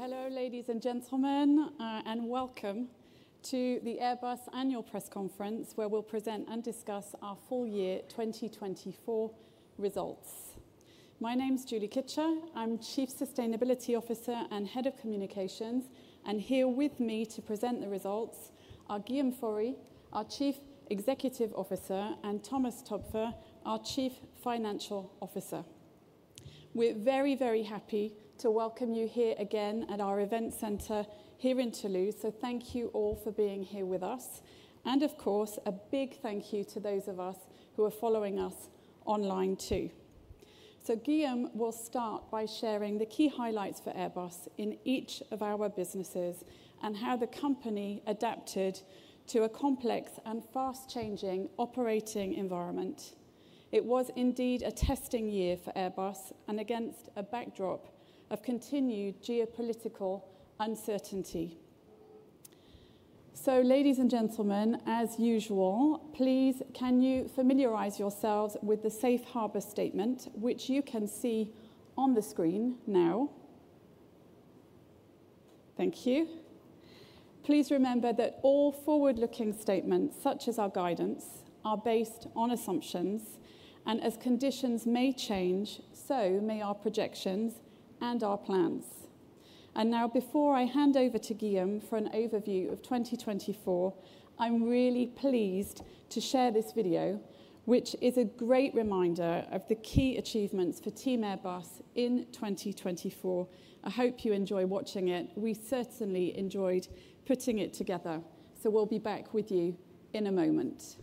Hello, ladies and gentlemen, and welcome to the Airbus annual press conference, where we'll present and discuss our full year 2024 results. My name's Julie Kitcher. I'm Chief Sustainability Officer and Head of Communications. Here with me to present the results are Guillaume Faury, our Chief Executive Officer, and Thomas Toepfer, our Chief Financial Officer. We're very, very happy to welcome you here again at our event center here in Toulouse. Thank you all for being here with us. Of course, a big thank you to those of us who are following us online too. Guillaume will start by sharing the key highlights for Airbus in each of our businesses and how the company adapted to a complex and fast-changing operating environment. It was indeed a testing year for Airbus and against a backdrop of continued geopolitical uncertainty. So ladies and gentlemen, as usual, please can you familiarize yourselves with the safe harbor statement, which you can see on the screen now? Thank you. Please remember that all forward-looking statements, such as our guidance, are based on assumptions, and as conditions may change, so may our projections and our plans. And now, before I hand over to Guillaume for an overview of 2024, I'm really pleased to share this video, which is a great reminder of the key achievements for Team Airbus in 2024. I hope you enjoy watching it. We certainly enjoyed putting it together. So we'll be back with you in a moment.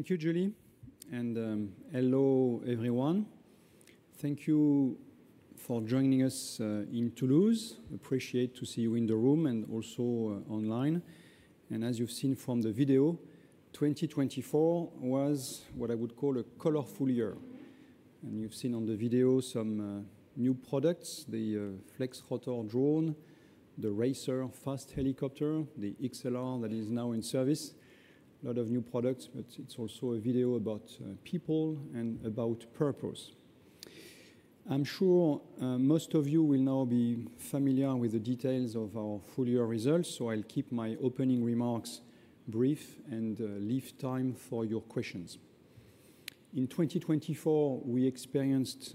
Thank you, Julie, and hello, everyone. Thank you for joining us in Toulouse. Appreciate to see you in the room and also online, and as you've seen from the video, 2024 was what I would call a colorful year, and you've seen on the video some new products, the Flexrotor drone, the Racer fast helicopter, the XLR that is now in service. A lot of new products, but it's also a video about people and about purpose. I'm sure most of you will now be familiar with the details of our full year results, so I'll keep my opening remarks brief and leave time for your questions. In 2024, we experienced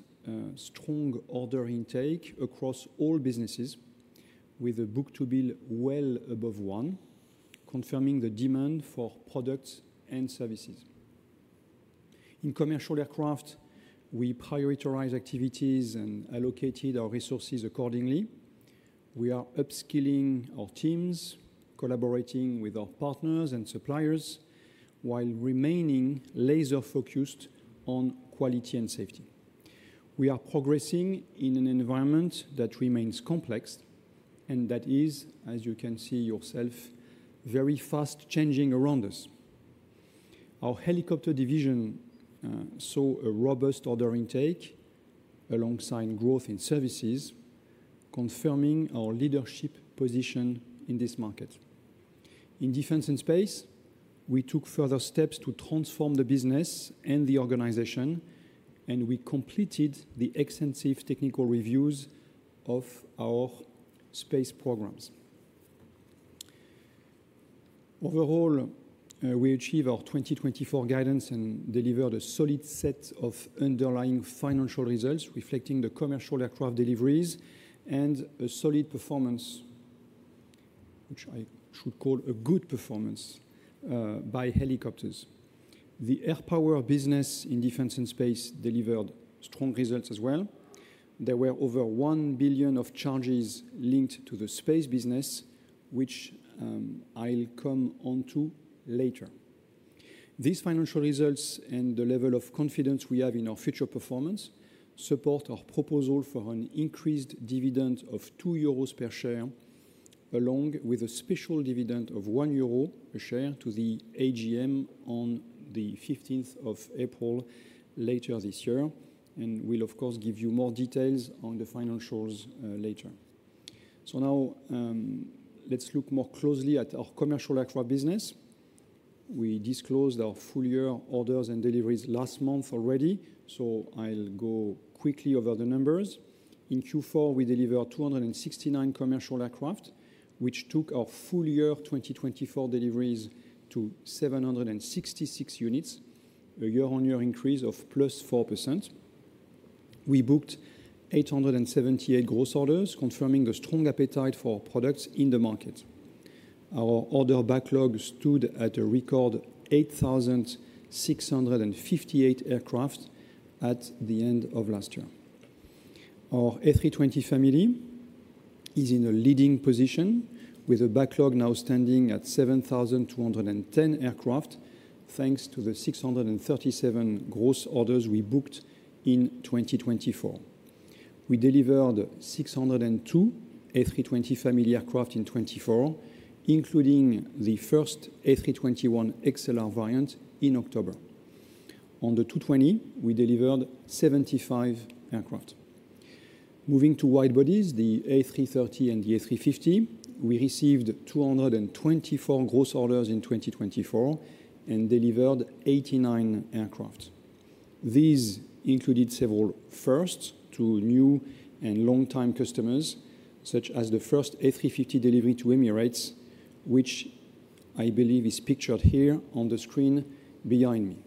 strong order intake across all businesses, with a book-to-bill well above one, confirming the demand for products and services. In Commercial Aircraft, we prioritized activities and allocated our resources accordingly. We are upskilling our teams, collaborating with our partners and suppliers, while remaining laser-focused on quality and safety. We are progressing in an environment that remains complex and that is, as you can see yourself, very fast-changing around us. Our Helicopter Division saw a robust order intake alongside growth in services, confirming our leadership position in this market. In Defence and Space, we took further steps to transform the business and the organization, and we completed the extensive technical reviews of our space programs. Overall, we achieved our 2024 guidance and delivered a solid set of underlying financial results reflecting the commercial aircraft deliveries and a solid performance, which I should call a good performance by helicopters. The air power business in Defence and Space delivered strong results as well. There were over €1 billion of charges linked to the space business, which I'll come on to later. These financial results and the level of confidence we have in our future performance support our proposal for an increased dividend of 2 euros per share, along with a special dividend of 1 euro a share to the AGM on the 15th of April later this year, and we'll, of course, give you more details on the financials later, so now, let's look more closely at our commercial aircraft business. We disclosed our full year orders and deliveries last month already, so I'll go quickly over the numbers. In Q4, we delivered 269 commercial aircraft, which took our full year 2024 deliveries to 766 units, a year-on-year increase of plus 4%. We booked 878 gross orders, confirming the strong appetite for products in the market. Our order backlog stood at a record 8,658 aircrafts at the end of last year. Our A320 Family is in a leading position, with a backlog now standing at 7,210 aircraft, thanks to the 637 gross orders we booked in 2024. We delivered 602 A320 Family aircraft in 2024, including the first A321XLR variant in October. On the 220, we delivered 75 aircraft. Moving to wide bodies, the A330 and the A350, we received 224 gross orders in 2024 and delivered 89 aircraft. These included several firsts to new and long-time customers, such as the first A350 delivery to Emirates, which I believe is pictured here on the screen behind me.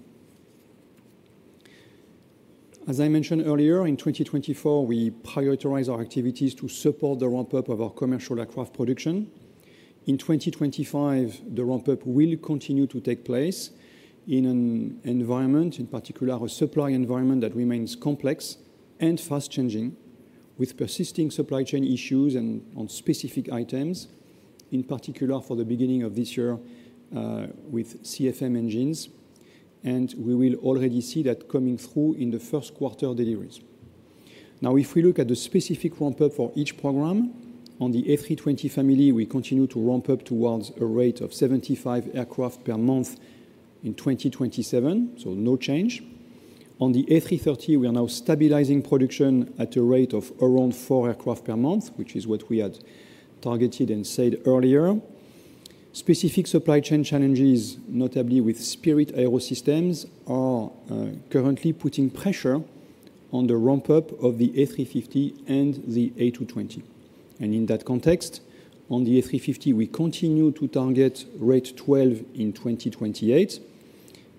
As I mentioned earlier, in 2024, we prioritized our activities to support the ramp-up of our commercial aircraft production. In 2025, the ramp-up will continue to take place in an environment, in particular a supply environment that remains complex and fast-changing, with persisting supply chain issues and on specific items, in particular for the beginning of this year with CFM engines, and we will already see that coming through in the first quarter deliveries. Now, if we look at the specific ramp-up for each program, on the A320 family, we continue to ramp up towards a rate of 75 aircraft per month in 2027, so no change. On the A330, we are now stabilizing production at a rate of around four aircraft per month, which is what we had targeted and said earlier. Specific supply chain challenges, notably with Spirit AeroSystems, are currently putting pressure on the ramp-up of the A350 and the A220. In that context, on the A350, we continue to target rate 12 in 2028,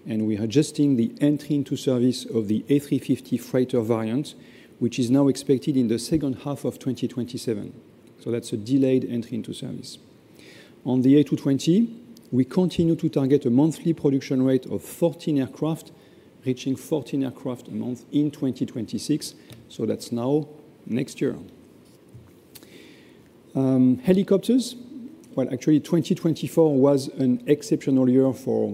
and we are adjusting the entry into service of the A350 Freighter variant, which is now expected in the second half of 2027, so that's a delayed entry into service. On the A220, we continue to target a monthly production rate of 14 aircraft, reaching 14 aircraft a month in 2026, so that's now next year. Helicopters, well, actually, 2024 was an exceptional year for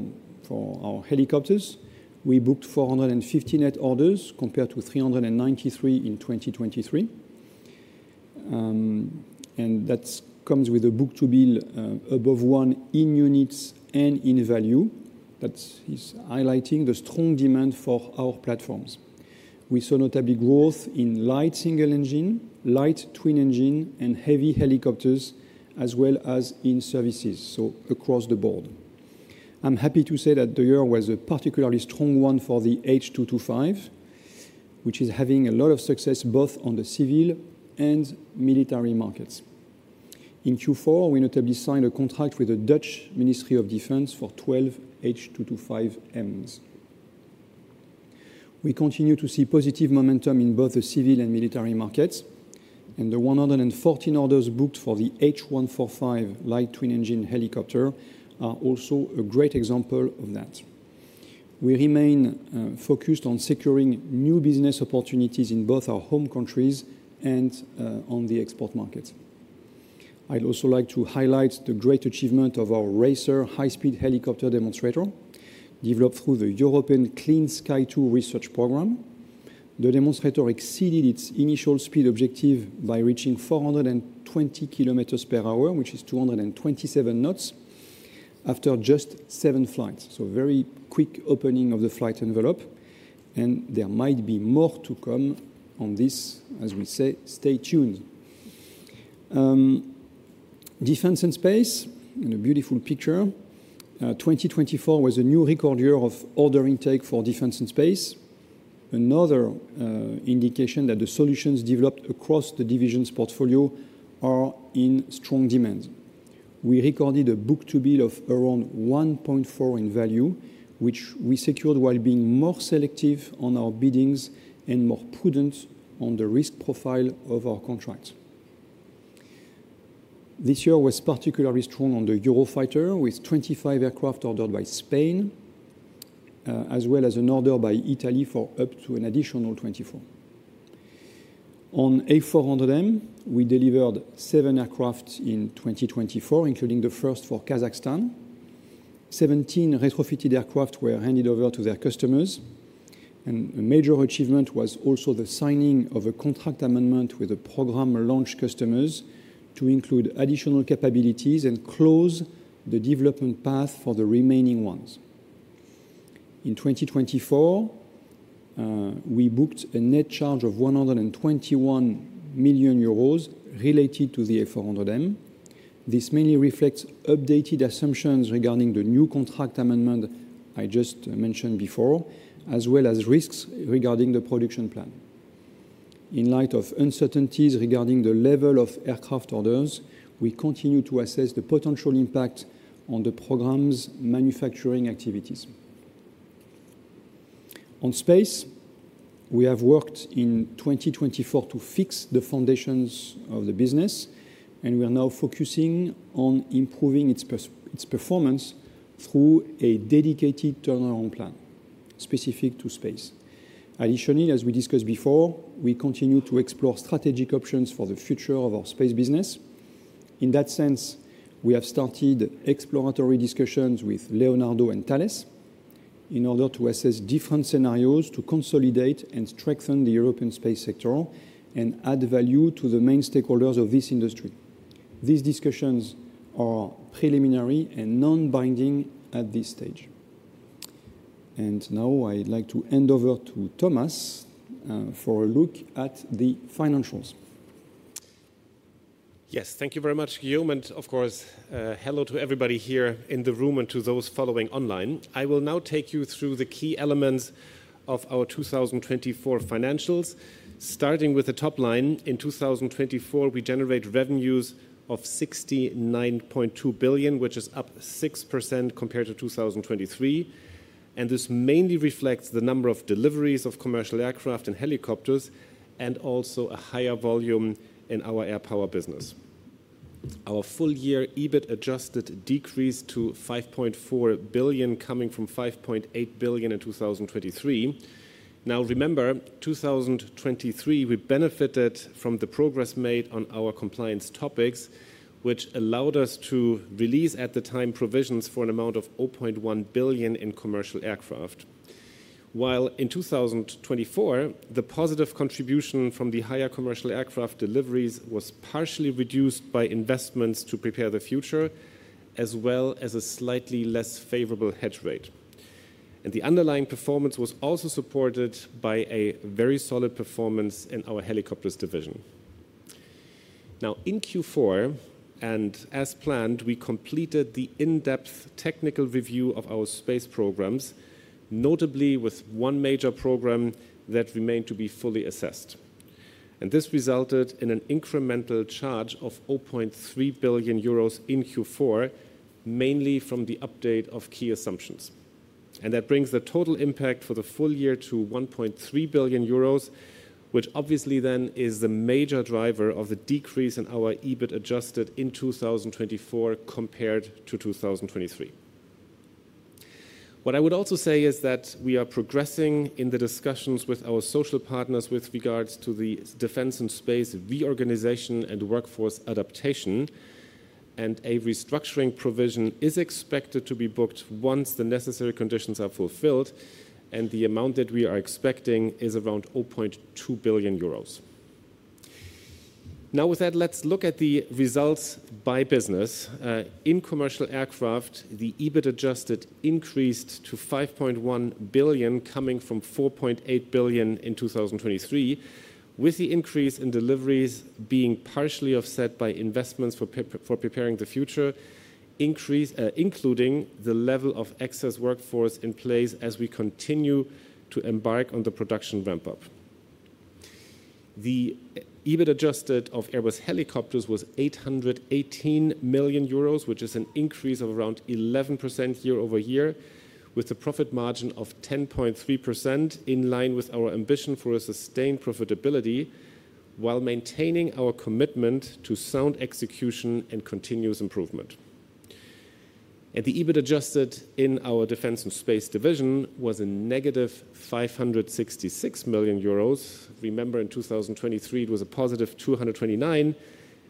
our helicopters. We booked 450 net orders compared to 393 in 2023. And that comes with a book-to-bill above one in units and in value. That is highlighting the strong demand for our platforms. We saw notably growth in light single engine, light twin engine, and heavy helicopters, as well as in services, so across the board. I'm happy to say that the year was a particularly strong one for the H225, which is having a lot of success both on the civil and military markets. In Q4, we notably signed a contract with the Dutch Ministry of Defense for 12 H225Ms. We continue to see positive momentum in both the civil and military markets, and the 114 orders booked for the H145 light twin engine helicopter are also a great example of that. We remain focused on securing new business opportunities in both our home countries and on the export market. I'd also like to highlight the great achievement of our Racer high-speed helicopter demonstrator, developed through the European Clean Sky 2 research program. The demonstrator exceeded its initial speed objective by reaching 420 kilometers per hour, which is 227 knots, after just seven flights. So very quick opening of the flight envelope. There might be more to come on this. As we say, stay tuned. Defence and Space, in a beautiful picture, 2024 was a new record year of order intake for Defence and Space. Another indication that the solutions developed across the division's portfolio are in strong demand. We recorded a book-to-bill of around 1.4 in value, which we secured while being more selective on our biddings and more prudent on the risk profile of our contracts. This year was particularly strong on the Eurofighter, with 25 aircraft ordered by Spain, as well as an order by Italy for up to an additional 24. On A400M, we delivered seven aircraft in 2024, including the first for Kazakhstan. 17 retrofitted aircraft were handed over to their customers. A major achievement was also the signing of a contract amendment with the program launch customers to include additional capabilities and close the development path for the remaining ones. In 2024, we booked a net charge of 121 million euros related to the A400M. This mainly reflects updated assumptions regarding the new contract amendment I just mentioned before, as well as risks regarding the production plan. In light of uncertainties regarding the level of aircraft orders, we continue to assess the potential impact on the program's manufacturing activities. On space, we have worked in 2024 to fix the foundations of the business, and we are now focusing on improving its performance through a dedicated turnaround plan specific to space. Additionally, as we discussed before, we continue to explore strategic options for the future of our space business. In that sense, we have started exploratory discussions with Leonardo and Thales in order to assess different scenarios to consolidate and strengthen the European space sector and add value to the main stakeholders of this industry. These discussions are preliminary and non-binding at this stage. And now I'd like to hand over to Thomas for a look at the financials. Yes, thank you very much, Guillaume. And of course, hello to everybody here in the room and to those following online. I will now take you through the key elements of our 2024 financials, starting with the top line. In 2024, we generate revenues of 69.2 billion, which is up 6% compared to 2023. And this mainly reflects the number of deliveries of commercial aircraft and helicopters, and also a higher volume in our air power business. Our full year EBIT Adjusted decreased to 5.4 billion, coming from 5.8 billion in 2023. Now, remember, 2023, we benefited from the progress made on our compliance topics, which allowed us to release at the time provisions for an amount of 0.1 billion in commercial aircraft. While in 2024, the positive contribution from the higher commercial aircraft deliveries was partially reduced by investments to prepare the future, as well as a slightly less favorable hedge rate. And the underlying performance was also supported by a very solid performance in our helicopters division. Now, in Q4, and as planned, we completed the in-depth technical review of our space programs, notably with one major program that remained to be fully assessed. And this resulted in an incremental charge of 0.3 billion euros in Q4, mainly from the update of key assumptions. And that brings the total impact for the full year to 1.3 billion euros, which obviously then is the major driver of the decrease in our EBIT Adjusted in 2024 compared to 2023. What I would also say is that we are progressing in the discussions with our social partners with regards to the Defence and Space reorganization and workforce adaptation. And a restructuring provision is expected to be booked once the necessary conditions are fulfilled, and the amount that we are expecting is around 0.2 billion euros. Now, with that, let's look at the results by business. In commercial aircraft, the EBIT Adjusted increased to 5.1 billion, coming from 4.8 billion in 2023, with the increase in deliveries being partially offset by investments for preparing the future, including the level of excess workforce in place as we continue to embark on the production ramp-up. The EBIT Adjusted of Airbus Helicopters was 818 million euros, which is an increase of around 11% year-over-year, with a profit margin of 10.3% in line with our ambition for a sustained profitability while maintaining our commitment to sound execution and continuous improvement, and the EBIT Adjusted in our defense and space division was a negative 566 million euros. Remember, in 2023, it was a positive 229 million,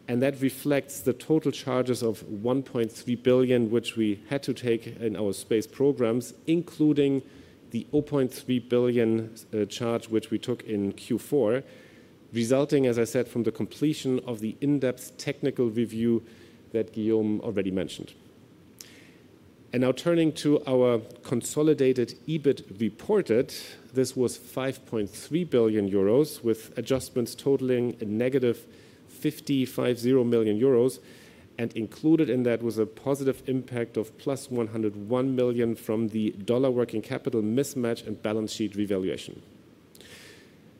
and that reflects the total charges of 1.3 billion, which we had to take in our space programs, including the 0.3 billion charge which we took in Q4, resulting, as I said, from the completion of the in-depth technical review that Guillaume already mentioned. And now turning to our consolidated EBIT reported, this was 5.3 billion euros, with adjustments totaling a negative 550 million euros, and included in that was a positive impact of plus 101 million from the dollar working capital mismatch and balance sheet revaluation.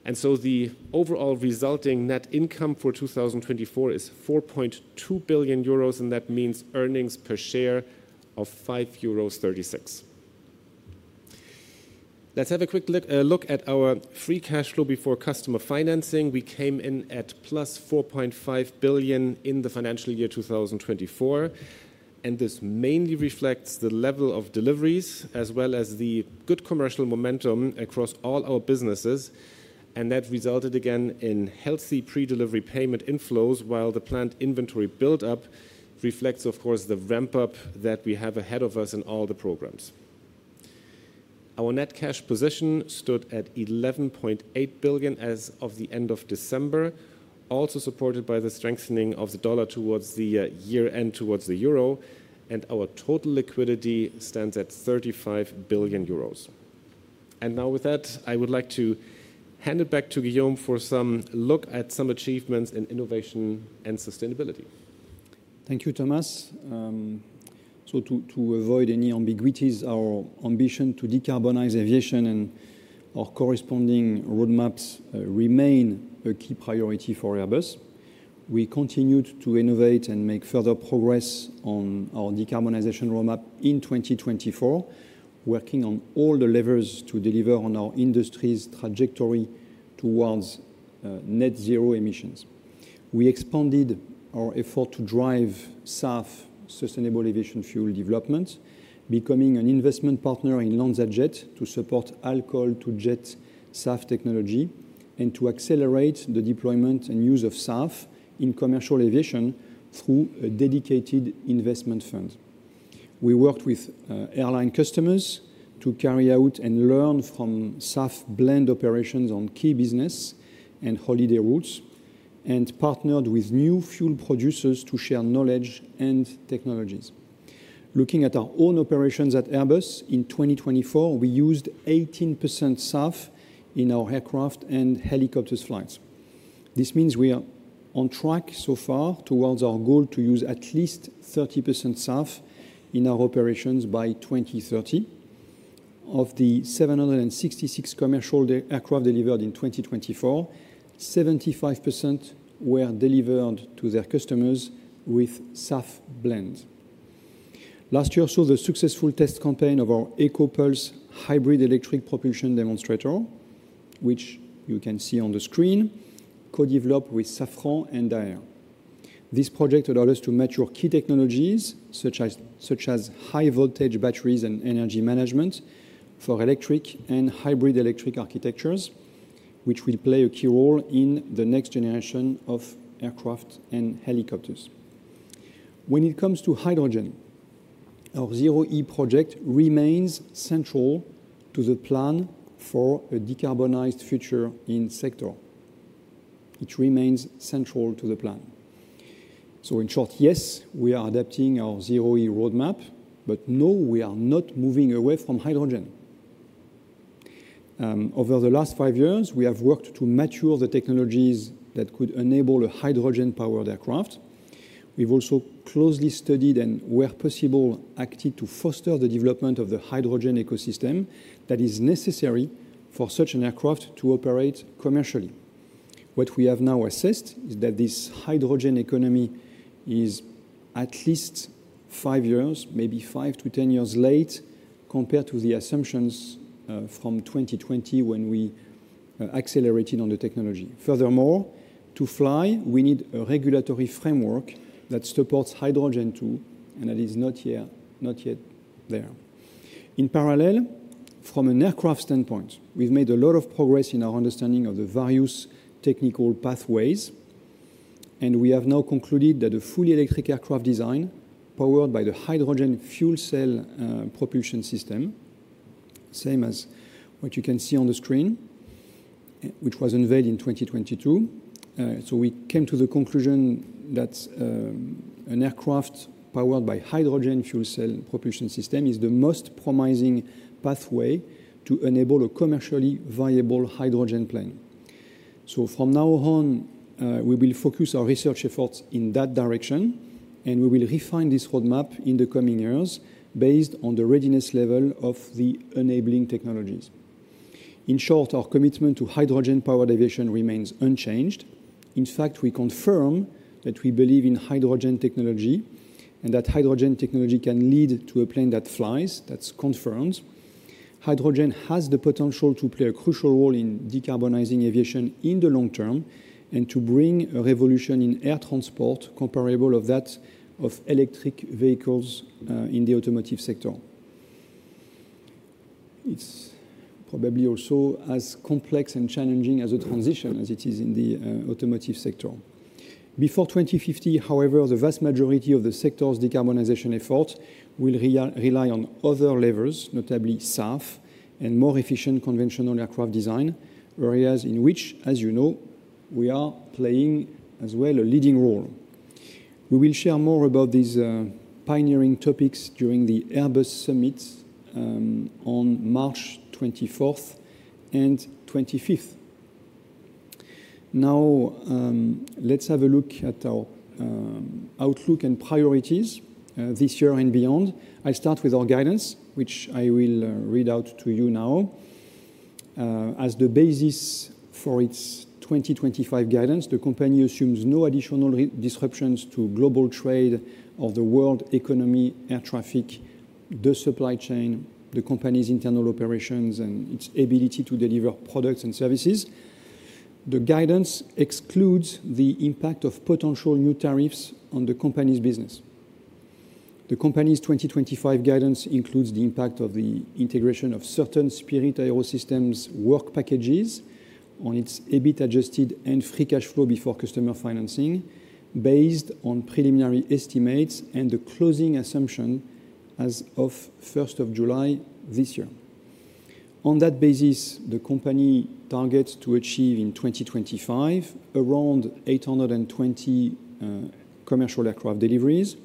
And so the overall resulting net income for 2024 is 4.2 billion euros, and that means earnings per share of 5.36 euros. Let's have a quick look at our free cash flow before customer financing. We came in at plus 4.5 billion in the financial year 2024, and this mainly reflects the level of deliveries, as well as the good commercial momentum across all our businesses, and that resulted again in healthy pre-delivery payment inflows, while the planned inventory build-up reflects, of course, the ramp-up that we have ahead of us in all the programs. Our net cash position stood at 11.8 billion as of the end of December, also supported by the strengthening of the dollar towards the year-end towards the euro, and our total liquidity stands at 35 billion euros. And now with that, I would like to hand it back to Guillaume for some look at some achievements in innovation and sustainability. Thank you, Thomas. So to avoid any ambiguities, our ambition to decarbonize aviation and our corresponding roadmaps remain a key priority for Airbus. We continued to innovate and make further progress on our decarbonization roadmap in 2024, working on all the levers to deliver on our industry's trajectory towards net zero emissions. We expanded our effort to drive SAF sustainable aviation fuel development, becoming an investment partner in LanzaJet to support alcohol-to-jet SAF technology and to accelerate the deployment and use of SAF in commercial aviation through a dedicated investment fund. We worked with airline customers to carry out and learn from SAF blend operations on key business and holiday routes, and partnered with new fuel producers to share knowledge and technologies. Looking at our own operations at Airbus, in 2024, we used 18% SAF in our aircraft and helicopters flights. This means we are on track so far towards our goal to use at least 30% SAF in our operations by 2030. Of the 766 commercial aircraft delivered in 2024, 75% were delivered to their customers with SAF blend. Last year, we saw the successful test campaign of our EcoPulse hybrid-electric propulsion demonstrator, which you can see on the screen, co-developed with Safran and Daher. This project allowed us to match your key technologies such as high-voltage batteries and energy management for electric and hybrid-electric architectures, which will play a key role in the next generation of aircraft and helicopters. When it comes to hydrogen, our ZEROe project remains central to the plan for a decarbonized future in sector. It remains central to the plan. So in short, yes, we are adapting our ZEROe roadmap, but no, we are not moving away from hydrogen. Over the last five years, we have worked to mature the technologies that could enable a hydrogen-powered aircraft. We've also closely studied and, where possible, acted to foster the development of the hydrogen ecosystem that is necessary for such an aircraft to operate commercially. What we have now assessed is that this hydrogen economy is at least five years, maybe five to ten years late, compared to the assumptions from 2020 when we accelerated on the technology. Furthermore, to fly, we need a regulatory framework that supports hydrogen too, and that is not yet there. In parallel, from an aircraft standpoint, we've made a lot of progress in our understanding of the various technical pathways, and we have now concluded that a fully electric aircraft design powered by the hydrogen fuel cell propulsion system, same as what you can see on the screen, which was unveiled in 2022. So we came to the conclusion that an aircraft powered by hydrogen fuel cell propulsion system is the most promising pathway to enable a commercially viable hydrogen plane. So from now on, we will focus our research efforts in that direction, and we will refine this roadmap in the coming years based on the readiness level of the enabling technologies. In short, our commitment to hydrogen-powered aviation remains unchanged. In fact, we confirm that we believe in hydrogen technology and that hydrogen technology can lead to a plane that flies, that's confirmed. Hydrogen has the potential to play a crucial role in decarbonizing aviation in the long term and to bring a revolution in air transport comparable to that of electric vehicles in the automotive sector. It's probably also as complex and challenging as a transition as it is in the automotive sector. Before 2050, however, the vast majority of the sector's decarbonization efforts will rely on other levers, notably SAF and more efficient conventional aircraft design, areas in which, as you know, we are playing as well a leading role. We will share more about these pioneering topics during the Airbus Summit on March 24th and 25th. Now, let's have a look at our outlook and priorities this year and beyond. I'll start with our guidance, which I will read out to you now. As the basis for its 2025 guidance, the company assumes no additional disruptions to global trade of the world economy, air traffic, the supply chain, the company's internal operations, and its ability to deliver products and services. The guidance excludes the impact of potential new tariffs on the company's business. The company's 2025 guidance includes the impact of the integration of certain Spirit AeroSystems work packages on its EBIT Adjusted and free cash flow before customer financing, based on preliminary estimates and the closing assumption as of 1st of July this year. On that basis, the company targets to achieve in 2025 around 820 commercial aircraft deliveries,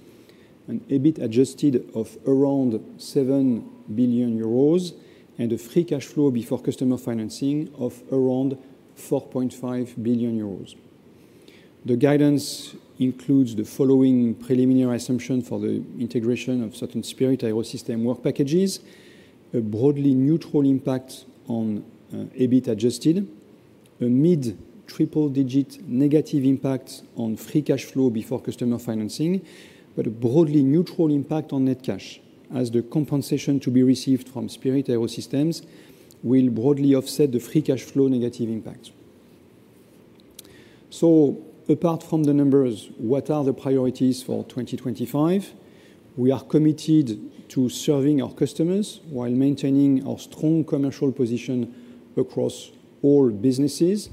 an EBIT Adjusted of around 7 billion euros, and a free cash flow before customer financing of around 4.5 billion euros. The guidance includes the following preliminary assumption for the integration of certain Spirit AeroSystems work packages: a broadly neutral impact on EBIT Adjusted, a mid-triple digit negative impact on free cash flow before customer financing, but a broadly neutral impact on net cash, as the compensation to be received from Spirit AeroSystems will broadly offset the free cash flow negative impact. So, apart from the numbers, what are the priorities for 2025? We are committed to serving our customers while maintaining our strong commercial position across all businesses.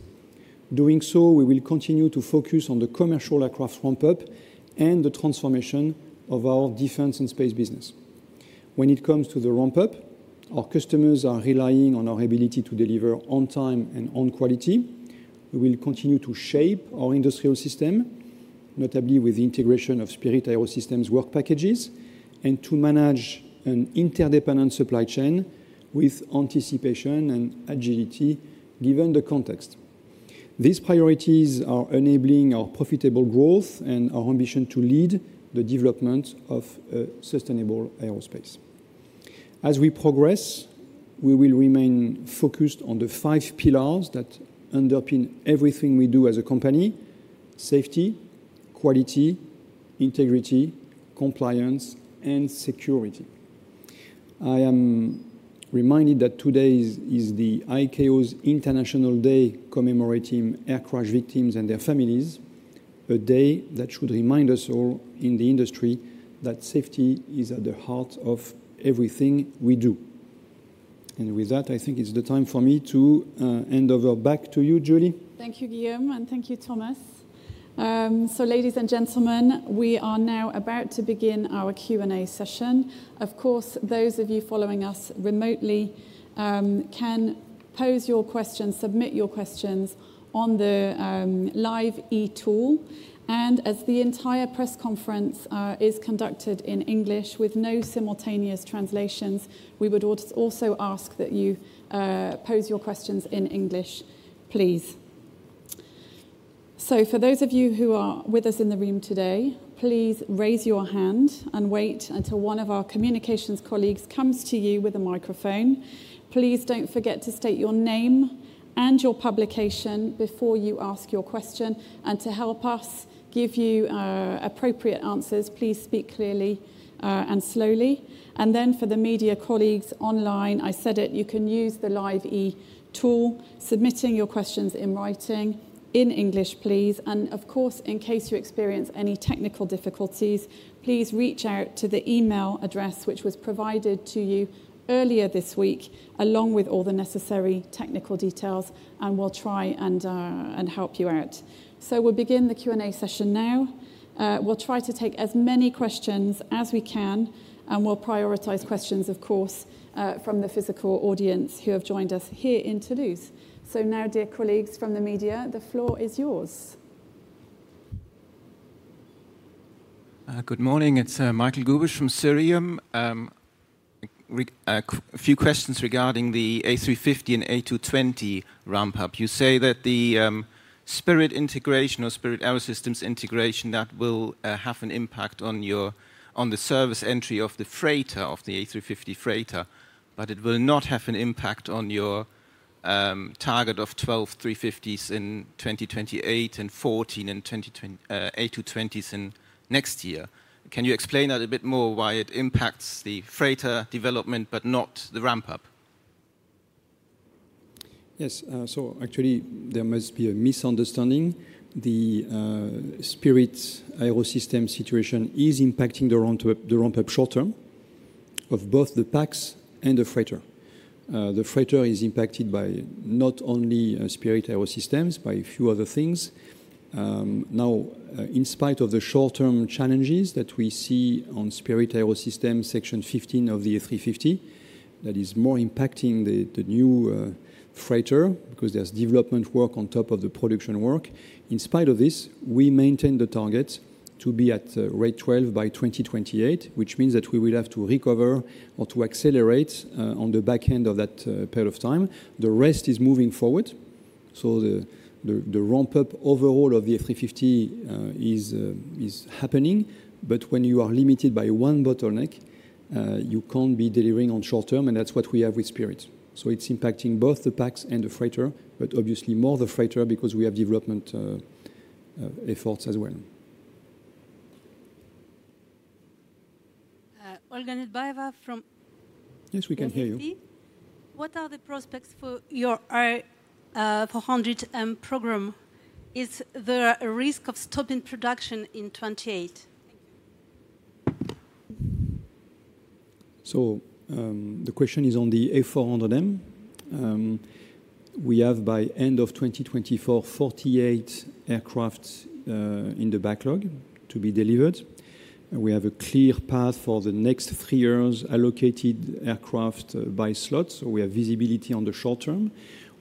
Doing so, we will continue to focus on the commercial aircraft ramp-up and the transformation of our defense and space business. When it comes to the ramp-up, our customers are relying on our ability to deliver on time and on quality. We will continue to shape our industrial system, notably with the integration of Spirit AeroSystems work packages, and to manage an interdependent supply chain with anticipation and agility, given the context. These priorities are enabling our profitable growth and our ambition to lead the development of a sustainable aerospace. As we progress, we will remain focused on the five pillars that underpin everything we do as a company: safety, quality, integrity, compliance, and security. I am reminded that today is the ICAO's International Day commemorating air crash victims and their families, a day that should remind us all in the industry that safety is at the heart of everything we do. And with that, I think it's the time for me to hand over back to you, Julie. Thank you, Guillaume, and thank you, Thomas. So, ladies and gentlemen, we are now about to begin our Q&A session. Of course, those of you following us remotely can pose your questions, submit your questions on the live eTool. And as the entire press conference is conducted in English with no simultaneous translations, we would also ask that you pose your questions in English, please. So, for those of you who are with us in the room today, please raise your hand and wait until one of our communications colleagues comes to you with a microphone. Please don't forget to state your name and your publication before you ask your question. And to help us give you appropriate answers, please speak clearly and slowly. And then for the media colleagues online, I said it, you can use the live eTool, submitting your questions in writing in English, please. And of course, in case you experience any technical difficulties, please reach out to the email address which was provided to you earlier this week, along with all the necessary technical details, and we'll try and help you out. So, we'll begin the Q&A session now. We'll try to take as many questions as we can, and we'll prioritize questions, of course, from the physical audience who have joined us here in Toulouse. So now, dear colleagues from the media, the floor is yours. Good morning. It's Michael Gubisch from Cirium. A few questions regarding the A350 and A220 ramp-up. You say that the Spirit integration or Spirit AeroSystems integration, that will have an impact on the service entry of the freighter, of the A350 Freighter, but it will not have an impact on your target of 12 A350s in 2028 and 14 A220s in next year. Can you explain that a bit more, why it impacts the freighter development but not the ramp-up? Yes. So actually, there must be a misunderstanding. The Spirit AeroSystems situation is impacting the ramp-up short-term of both the packs and the freighter. The freighter is impacted by not only Spirit AeroSystems, but a few other things. Now, in spite of the short-term challenges that we see on Spirit AeroSystems Section 15 of the A350, that is more impacting the new freighter because there's development work on top of the production work. In spite of this, we maintain the target to be at rate 12 by 2028, which means that we will have to recover or to accelerate on the back end of that period of time. The rest is moving forward. So the ramp-up overall of the A350 is happening, but when you are limited by one bottleneck, you can't be delivering on short-term, and that's what we have with Spirit. So it's impacting both the packs and the freighter, but obviously more the freighter because we have development efforts as well. Olga Nedbaeva from AFP. Yes, we can hear you. What are the prospects for your A400M program? Is there a risk of stopping production in 2028? Thank you. The question is on the A400M. We have, by end of 2024, 48 aircraft in the backlog to be delivered. We have a clear path for the next three years, allocated aircraft by slots, so we have visibility on the short-term.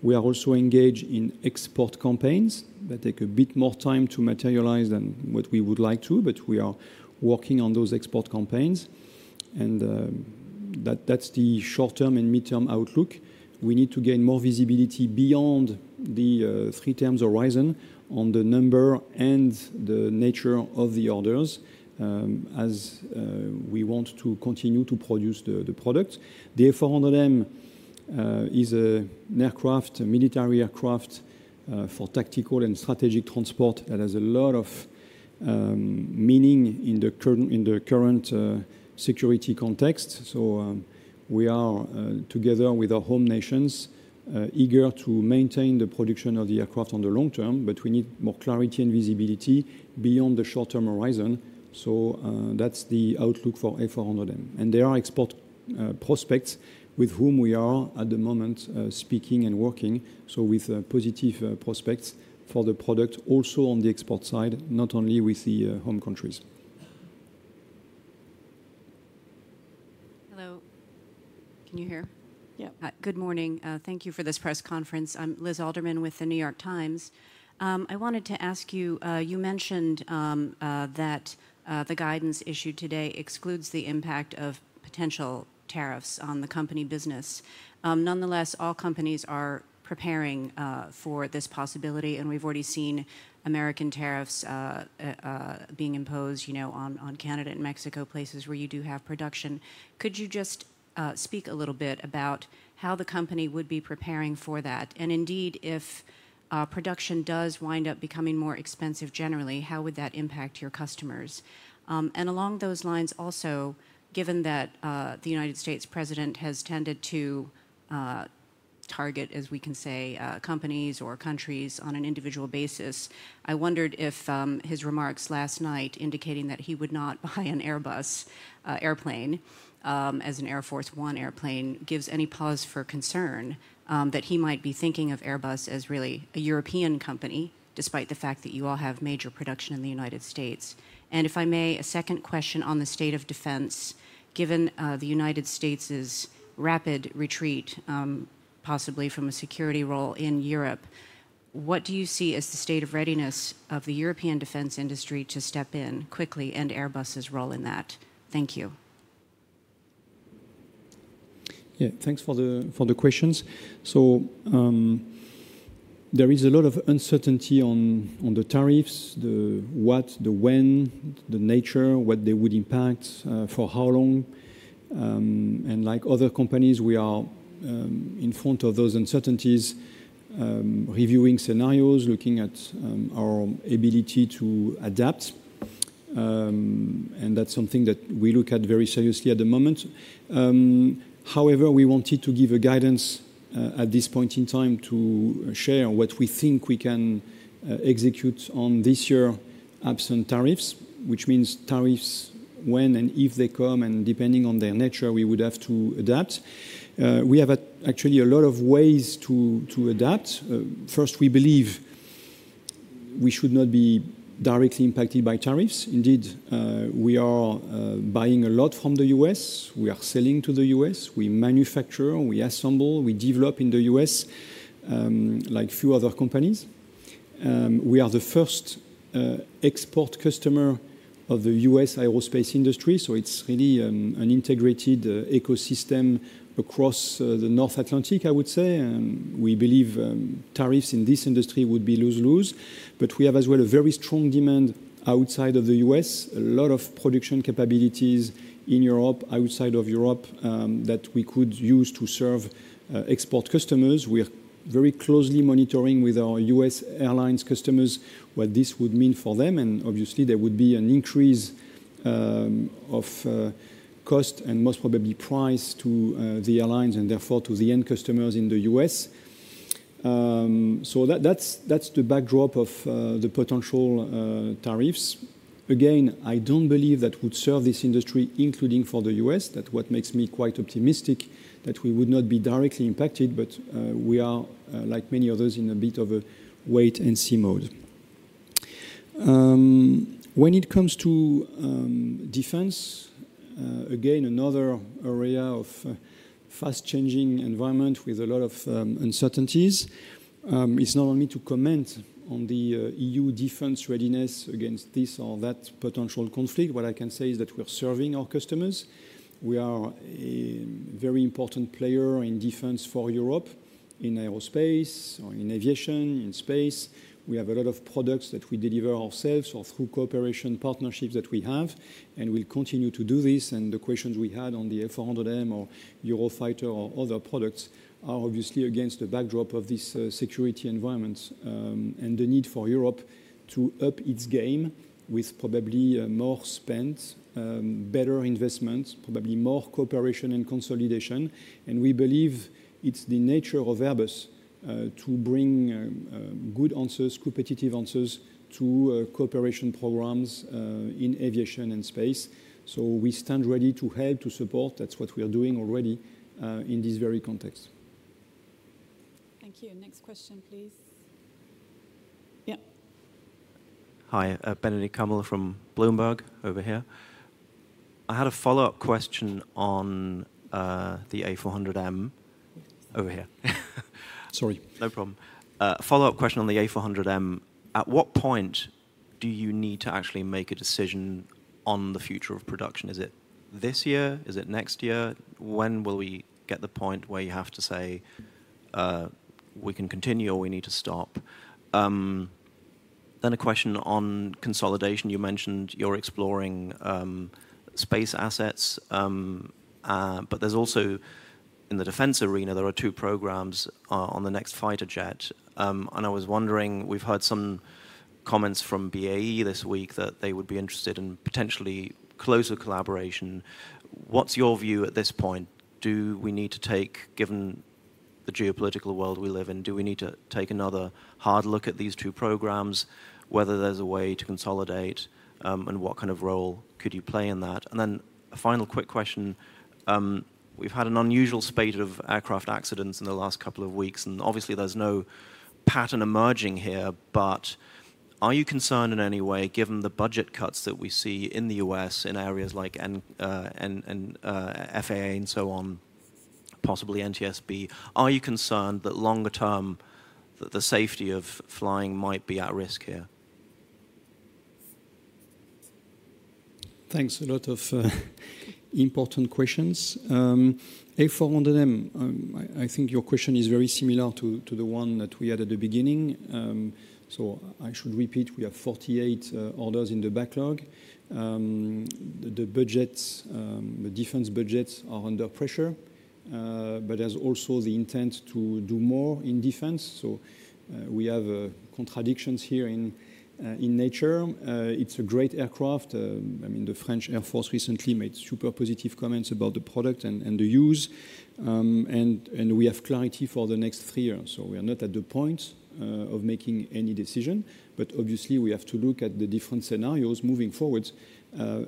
We are also engaged in export campaigns that take a bit more time to materialize than what we would like to, but we are working on those export campaigns. That's the short-term and mid-term outlook. We need to gain more visibility beyond the three-term horizon on the number and the nature of the orders as we want to continue to produce the product. The A400M is an aircraft, a military aircraft for tactical and strategic transport that has a lot of meaning in the current security context. We are, together with our home nations, eager to maintain the production of the aircraft on the long term, but we need more clarity and visibility beyond the short-term horizon. That's the outlook for A400M. There are export prospects with whom we are at the moment speaking and working, so with positive prospects for the product also on the export side, not only with the home countries. Hello. Can you hear? Yeah. Good morning. Thank you for this press conference. I'm Liz Alderman with The New York Times. I wanted to ask you, you mentioned that the guidance issued today excludes the impact of potential tariffs on the company business. Nonetheless, all companies are preparing for this possibility, and we've already seen American tariffs being imposed on Canada and Mexico, places where you do have production. Could you just speak a little bit about how the company would be preparing for that? And indeed, if production does wind up becoming more expensive generally, how would that impact your customers? And along those lines also, given that the United States President has tended to target, as we can say, companies or countries on an individual basis, I wondered if his remarks last night indicating that he would not buy an Airbus airplane as an Air Force One airplane gives any pause for concern that he might be thinking of Airbus as really a European company, despite the fact that you all have major production in the United States? And if I may, a second question on the state of defense. Given the United States' rapid retreat, possibly from a security role in Europe, what do you see as the state of readiness of the European defense industry to step in quickly and Airbus' role in that? Thank you. Yeah, thanks for the questions. So there is a lot of uncertainty on the tariffs, the what, the when, the nature, what they would impact, for how long. And like other companies, we are in front of those uncertainties, reviewing scenarios, looking at our ability to adapt. And that's something that we look at very seriously at the moment. However, we wanted to give a guidance at this point in time to share what we think we can execute on this year's absent tariffs, which means tariffs when and if they come, and depending on their nature, we would have to adapt. We have actually a lot of ways to adapt. First, we believe we should not be directly impacted by tariffs. Indeed, we are buying a lot from the U.S. We are selling to the U.S. We manufacture, we assemble, we develop in the U.S. like few other companies. We are the first export customer of the U.S. aerospace industry, so it's really an integrated ecosystem across the North Atlantic, I would say. We believe tariffs in this industry would be lose-lose, but we have as well a very strong demand outside of the U.S., a lot of production capabilities in Europe, outside of Europe, that we could use to serve export customers. We are very closely monitoring with our U.S. airlines customers what this would mean for them, and obviously, there would be an increase of cost and most probably price to the airlines and therefore to the end customers in the U.S. So that's the backdrop of the potential tariffs. Again, I don't believe that would serve this industry, including for the U.S., that what makes me quite optimistic that we would not be directly impacted, but we are, like many others, in a bit of a wait-and-see mode. When it comes to defense, again, another area of fast-changing environment with a lot of uncertainties. It's not only to comment on the E.U. defense readiness against this or that potential conflict. What I can say is that we're serving our customers. We are a very important player in defense for Europe in aerospace, in aviation, in space. We have a lot of products that we deliver ourselves or through cooperation partnerships that we have, and we'll continue to do this. And the questions we had on the A400M or Eurofighter or other products are obviously against the backdrop of this security environment and the need for Europe to up its game with probably more spend, better investments, probably more cooperation and consolidation. And we believe it's the nature of Airbus to bring good answers, competitive answers to cooperation programs in aviation and space. So we stand ready to help, to support. That's what we are doing already in this very context. Thank you. Next question, please. Yeah. Hi, Benedikt Kammel from Bloomberg over here. I had a follow-up question on the A400M over here. Sorry. No problem. Follow-up question on the A400M. At what point do you need to actually make a decision on the future of production? Is it this year? Is it next year? When will we get the point where you have to say, "We can continue or we need to stop"? Then a question on consolidation. You mentioned you're exploring space assets, but there's also in the defense arena, there are two programs on the next fighter jet. And I was wondering, we've heard some comments from BAE this week that they would be interested in potentially closer collaboration. What's your view at this point? Do we need to take, given the geopolitical world we live in, do we need to take another hard look at these two programs, whether there's a way to consolidate, and what kind of role could you play in that? And then a final quick question. We've had an unusual spate of aircraft accidents in the last couple of weeks, and obviously, there's no pattern emerging here, but are you concerned in any way, given the budget cuts that we see in the U.S. in areas like FAA and so on, possibly NTSB, are you concerned that longer term the safety of flying might be at risk here? Thanks. A lot of important questions. A400M, I think your question is very similar to the one that we had at the beginning. So I should repeat, we have 48 orders in the backlog. The defense budgets are under pressure, but there's also the intent to do more in defense. So we have contradictions here in nature. It's a great aircraft. I mean, the French Air Force recently made super positive comments about the product and the use. And we have clarity for the next three years. So we are not at the point of making any decision, but obviously, we have to look at the different scenarios moving forward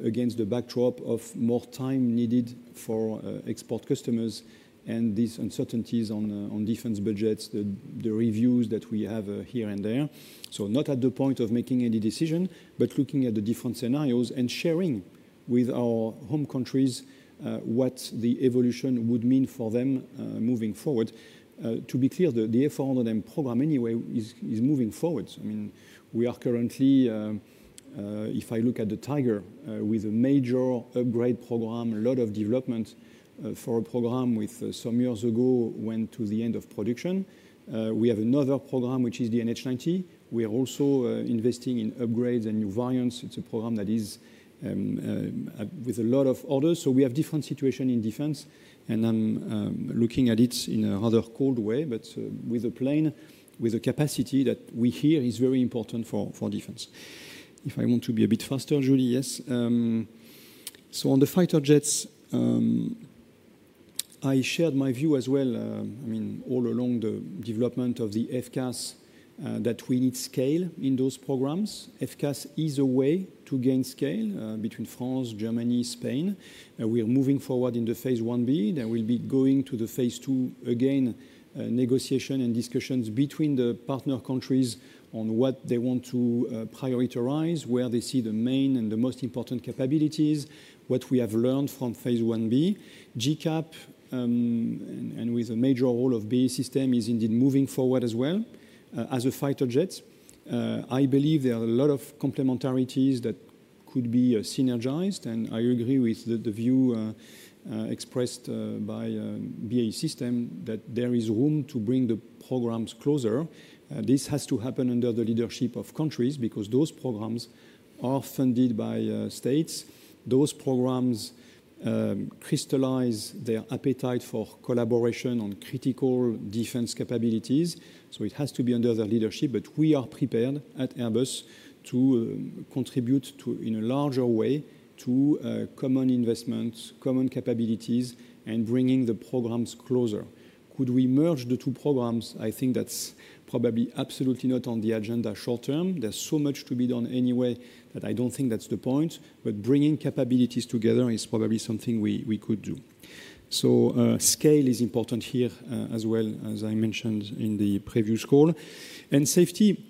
against the backdrop of more time needed for export customers and these uncertainties on defense budgets, the reviews that we have here and there. So not at the point of making any decision, but looking at the different scenarios and sharing with our home countries what the evolution would mean for them moving forward. To be clear, the A400M program anyway is moving forward. I mean, we are currently, if I look at the Tiger, with a major upgrade program, a lot of development for a program with some years ago went to the end of production. We have another program, which is the NH90. We are also investing in upgrades and new variants. It's a program that is with a lot of orders. So we have different situations in defense, and I'm looking at it in a rather cold way, but with a plan with a capacity that we hear is very important for defense. If I want to be a bit faster, yes. On the fighter jets, I shared my view as well. I mean, all along the development of the FCAS, that we need scale in those programs. FCAS is a way to gain scale between France, Germany, Spain. We are moving forward in the phase I-B. There will be going to the phase II again, negotiation and discussions between the partner countries on what they want to prioritize, where they see the main and the most important capabilities, what we have learned from phase I-B. GCAP, and with a major role of BAE Systems, is indeed moving forward as well as a fighter jet. I believe there are a lot of complementarities that could be synergized, and I agree with the view expressed by BAE Systems that there is room to bring the programs closer. This has to happen under the leadership of countries because those programs are funded by states. Those programs crystallize their appetite for collaboration on critical defense capabilities, so it has to be under their leadership, but we are prepared at Airbus to contribute in a larger way to common investments, common capabilities, and bringing the programs closer. Could we merge the two programs? I think that's probably absolutely not on the agenda short-term. There's so much to be done anyway that I don't think that's the point, but bringing capabilities together is probably something we could do, so scale is important here as well, as I mentioned in the previous call, and safety.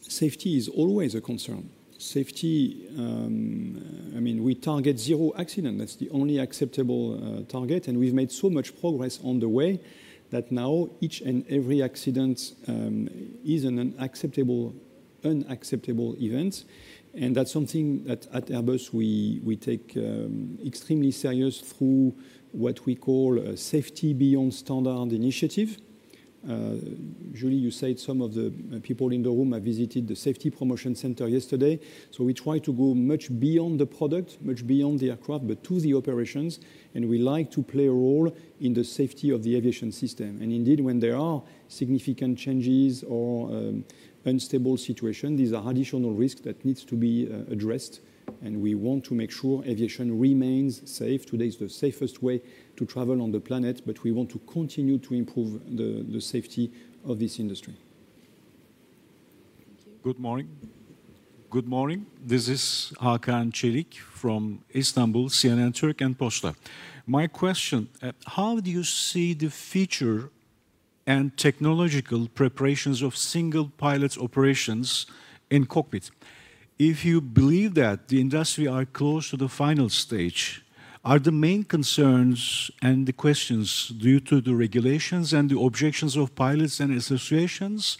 Safety is always a concern. Safety, I mean, we target zero accident. That's the only acceptable target, and we've made so much progress on the way that now each and every accident is an unacceptable event. That's something that at Airbus we take extremely seriously through what we call a safety beyond standard initiative. Julie, you said some of the people in the room have visited the Safety Promotion Center yesterday. We try to go much beyond the product, much beyond the aircraft, but to the operations, and we like to play a role in the safety of the aviation system. Indeed, when there are significant changes or unstable situations, these are additional risks that need to be addressed, and we want to make sure aviation remains safe. Today is the safest way to travel on the planet, but we want to continue to improve the safety of this industry. Good morning. Good morning. This is Hakan Çelik from Istanbul, CNN Türk, and Posta. My question, how do you see the future and technological preparations of single pilot operations in cockpit? If you believe that the industry is close to the final stage, are the main concerns and the questions due to the regulations and the objections of pilots and associations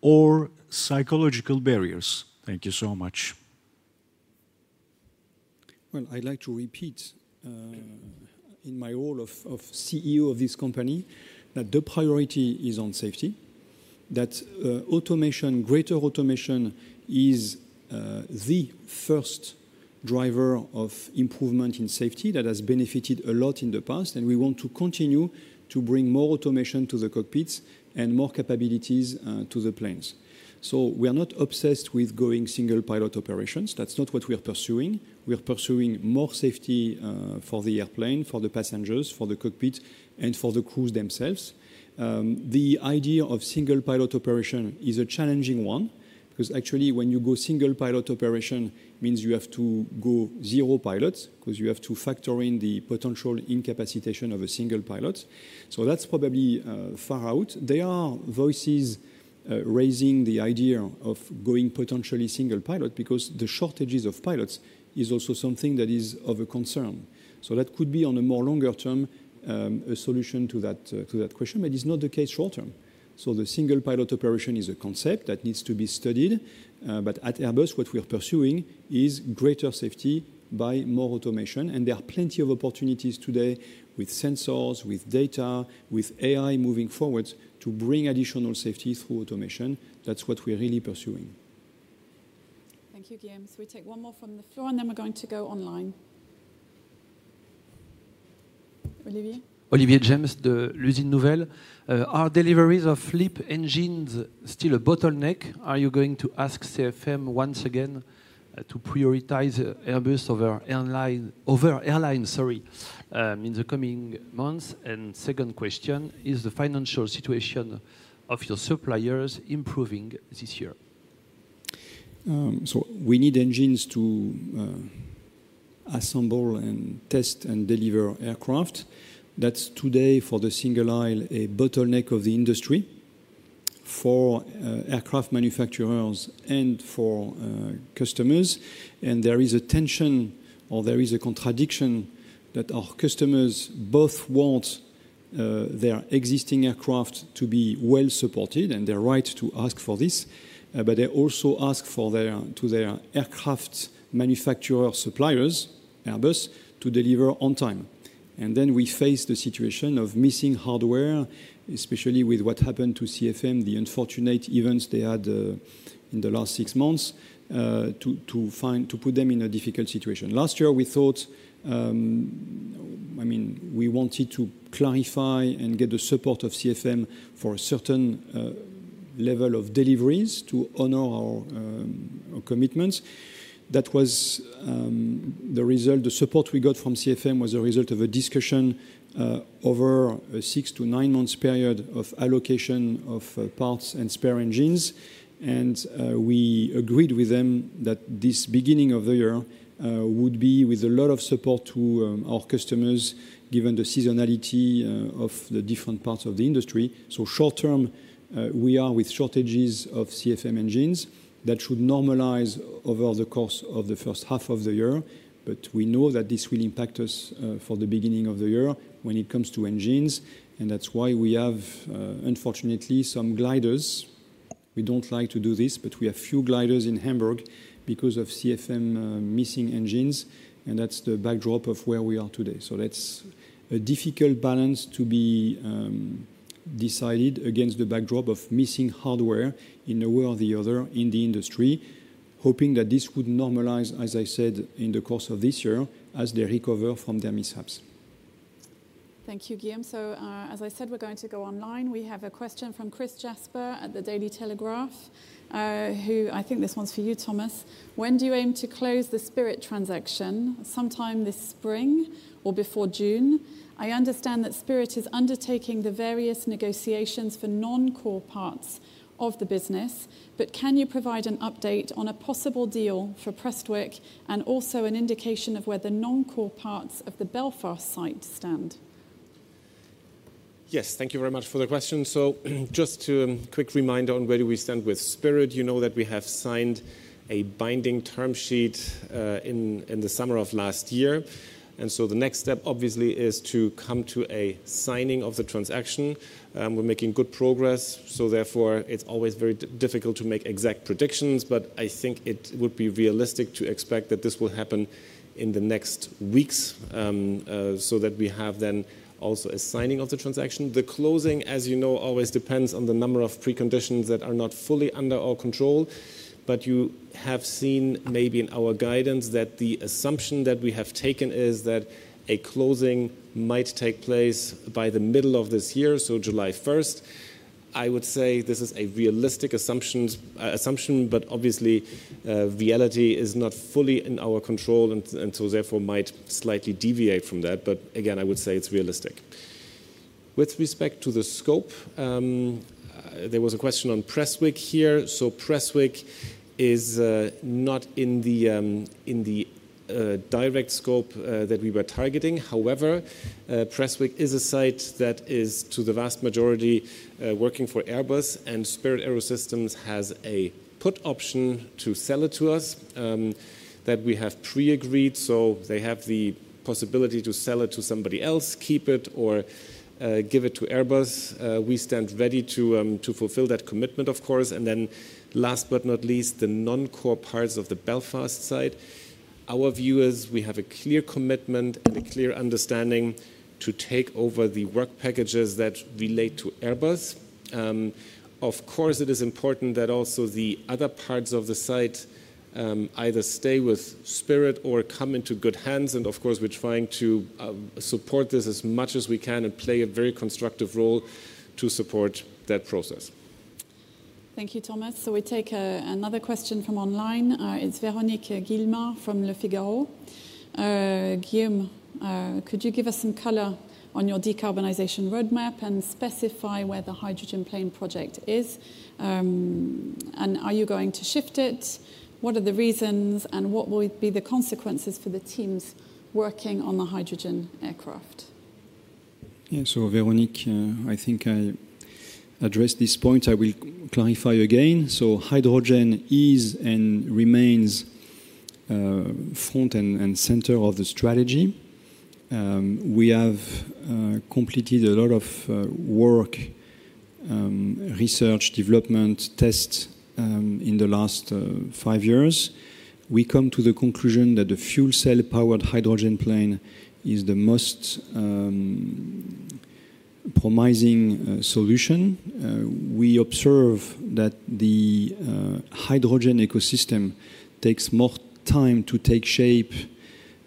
or psychological barriers? Thank you so much. I'd like to repeat in my role of CEO of this company that the priority is on safety, that automation, greater automation is the first driver of improvement in safety that has benefited a lot in the past, and we want to continue to bring more automation to the cockpits and more capabilities to the planes. We are not obsessed with going single pilot operations. That's not what we are pursuing. We are pursuing more safety for the airplane, for the passengers, for the cockpit, and for the crews themselves. The idea of single pilot operation is a challenging one because actually when you go single pilot operation means you have to go zero pilots because you have to factor in the potential incapacitation of a single pilot. That's probably far out. There are voices raising the idea of going potentially single pilot because the shortages of pilots is also something that is of a concern. So that could be on a more longer term a solution to that question, but it's not the case short-term. So the single pilot operation is a concept that needs to be studied, but at Airbus, what we are pursuing is greater safety by more automation, and there are plenty of opportunities today with sensors, with data, with AI moving forward to bring additional safety through automation. That's what we're really pursuing. Thank you, Guillaume. So we take one more from the floor, and then we're going to go online. Olivier? Olivier James de L'Usine Nouvelle. Are deliveries of LEAP engines still a bottleneck? Are you going to ask CFM once again to prioritize Airbus over airlines in the coming months? And second question, is the financial situation of your suppliers improving this year? So we need engines to assemble and test and deliver aircraft. That's today for the single-aisle a bottleneck of the industry for aircraft manufacturers and for customers. And there is a tension or there is a contradiction that our customers both want their existing aircraft to be well supported, and they're right to ask for this, but they also ask for their aircraft manufacturer suppliers, Airbus, to deliver on time. And then we face the situation of missing hardware, especially with what happened to CFM, the unfortunate events they had in the last six months to put them in a difficult situation. Last year, we thought, I mean, we wanted to clarify and get the support of CFM for a certain level of deliveries to honor our commitments. That was the result. The support we got from CFM was a result of a discussion over a six to nine months period of allocation of parts and spare engines, and we agreed with them that this beginning of the year would be with a lot of support to our customers given the seasonality of the different parts of the industry. short-term, we are with shortages of CFM engines that should normalize over the course of the first half of the year, but we know that this will impact us for the beginning of the year when it comes to engines. That's why we have, unfortunately, some gliders. We don't like to do this, but we have few gliders in Hamburg because of CFM missing engines, and that's the backdrop of where we are today. So that's a difficult balance to be decided against the backdrop of missing hardware in one way or the other in the industry, hoping that this would normalize, as I said, in the course of this year as they recover from their mishaps. Thank you, Guillaume. So as I said, we're going to go online. We have a question from Chris Jasper at the Daily Telegraph, who I think this one's for you, Thomas. When do you aim to close the Spirit transaction? Sometime this spring or before June. I understand that Spirit is undertaking the various negotiations for non-core parts of the business, but can you provide an update on a possible deal for Prestwick and also an indication of where the non-core parts of the Belfast site stand? Yes, thank you very much for the question. So just a quick reminder on where do we stand with Spirit. You know that we have signed a binding term sheet in the summer of last year. And so the next step obviously is to come to a signing of the transaction. We're making good progress. So therefore, it's always very difficult to make exact predictions, but I think it would be realistic to expect that this will happen in the next weeks so that we have then also a signing of the transaction. The closing, as you know, always depends on the number of preconditions that are not fully under our control. But you have seen maybe in our guidance that the assumption that we have taken is that a closing might take place by the middle of this year, so July 1st. I would say this is a realistic assumption, but obviously, reality is not fully in our control and so therefore might slightly deviate from that. But again, I would say it's realistic. With respect to the scope, there was a question on Prestwick here. So Prestwick is not in the direct scope that we were targeting. However, Prestwick is a site that is to the vast majority working for Airbus, and Spirit AeroSystems has a put option to sell it to us that we have pre-agreed. So they have the possibility to sell it to somebody else, keep it, or give it to Airbus. We stand ready to fulfill that commitment, of course. And then last but not least, the non-core parts of the Belfast site. Our view is we have a clear commitment and a clear understanding to take over the work packages that relate to Airbus. Of course, it is important that also the other parts of the site either stay with Spirit or come into good hands. And of course, we're trying to support this as much as we can and play a very constructive role to support that process. Thank you, Thomas. So we take another question from online. It's Véronique Guillermard from Le Figaro. Guillaume, could you give us some color on your decarbonization roadmap and specify where the hydrogen plane project is? And are you going to shift it? What are the reasons and what will be the consequences for the teams working on the hydrogen aircraft? Yeah, so Véronique, I think I addressed this point. I will clarify again. So hydrogen is and remains front and center of the strategy. We have completed a lot of work, research, development, tests in the last five years. We come to the conclusion that the fuel cell powered hydrogen plane is the most promising solution. We observe that the hydrogen ecosystem takes more time to take shape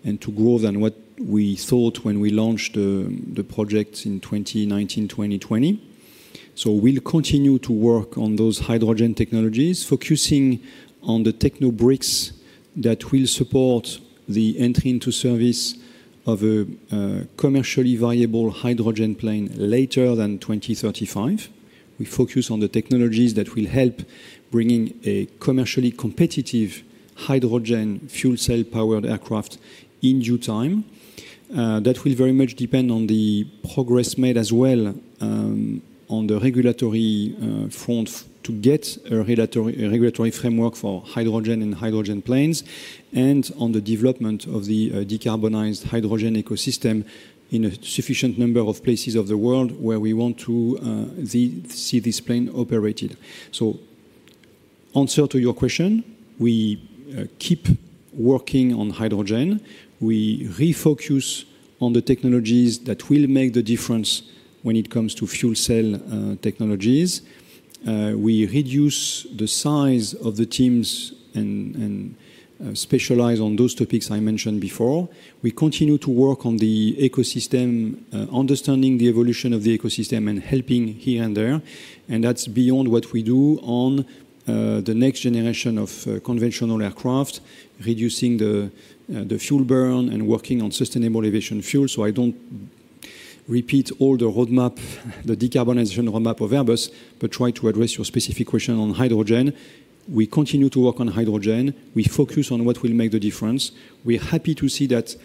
and to grow than what we thought when we launched the project in 2019-2020. So we'll continue to work on those hydrogen technologies, focusing on the techno bricks that will support the entry into service of a commerciallyviable hydrogen plane later than 2035. We focus on the technologies that will help bringing a commerciallycompetitive hydrogen fuel cell-powered aircraft in due time. That will very much depend on the progress made as well on the regulatory front to get a regulatory framework for hydrogen and hydrogen planes and on the development of the decarbonized hydrogen ecosystem in a sufficient number of places of the world where we want to see this plane operated. So, answer to your question, we keep working on hydrogen. We refocus on the technologies that will make the difference when it comes to fuel cell technologies. We reduce the size of the teams and specialize on those topics I mentioned before. We continue to work on the ecosystem, understanding the evolution of the ecosystem and helping here and there, and that's beyond what we do on the next generation of conventional aircraft, reducing the fuel burn and working on sustainable aviation fuel. I don't repeat all the roadmap, the decarbonization roadmap of Airbus, but try to address your specific question on hydrogen. We continue to work on hydrogen. We focus on what will make the difference. We're happy to see that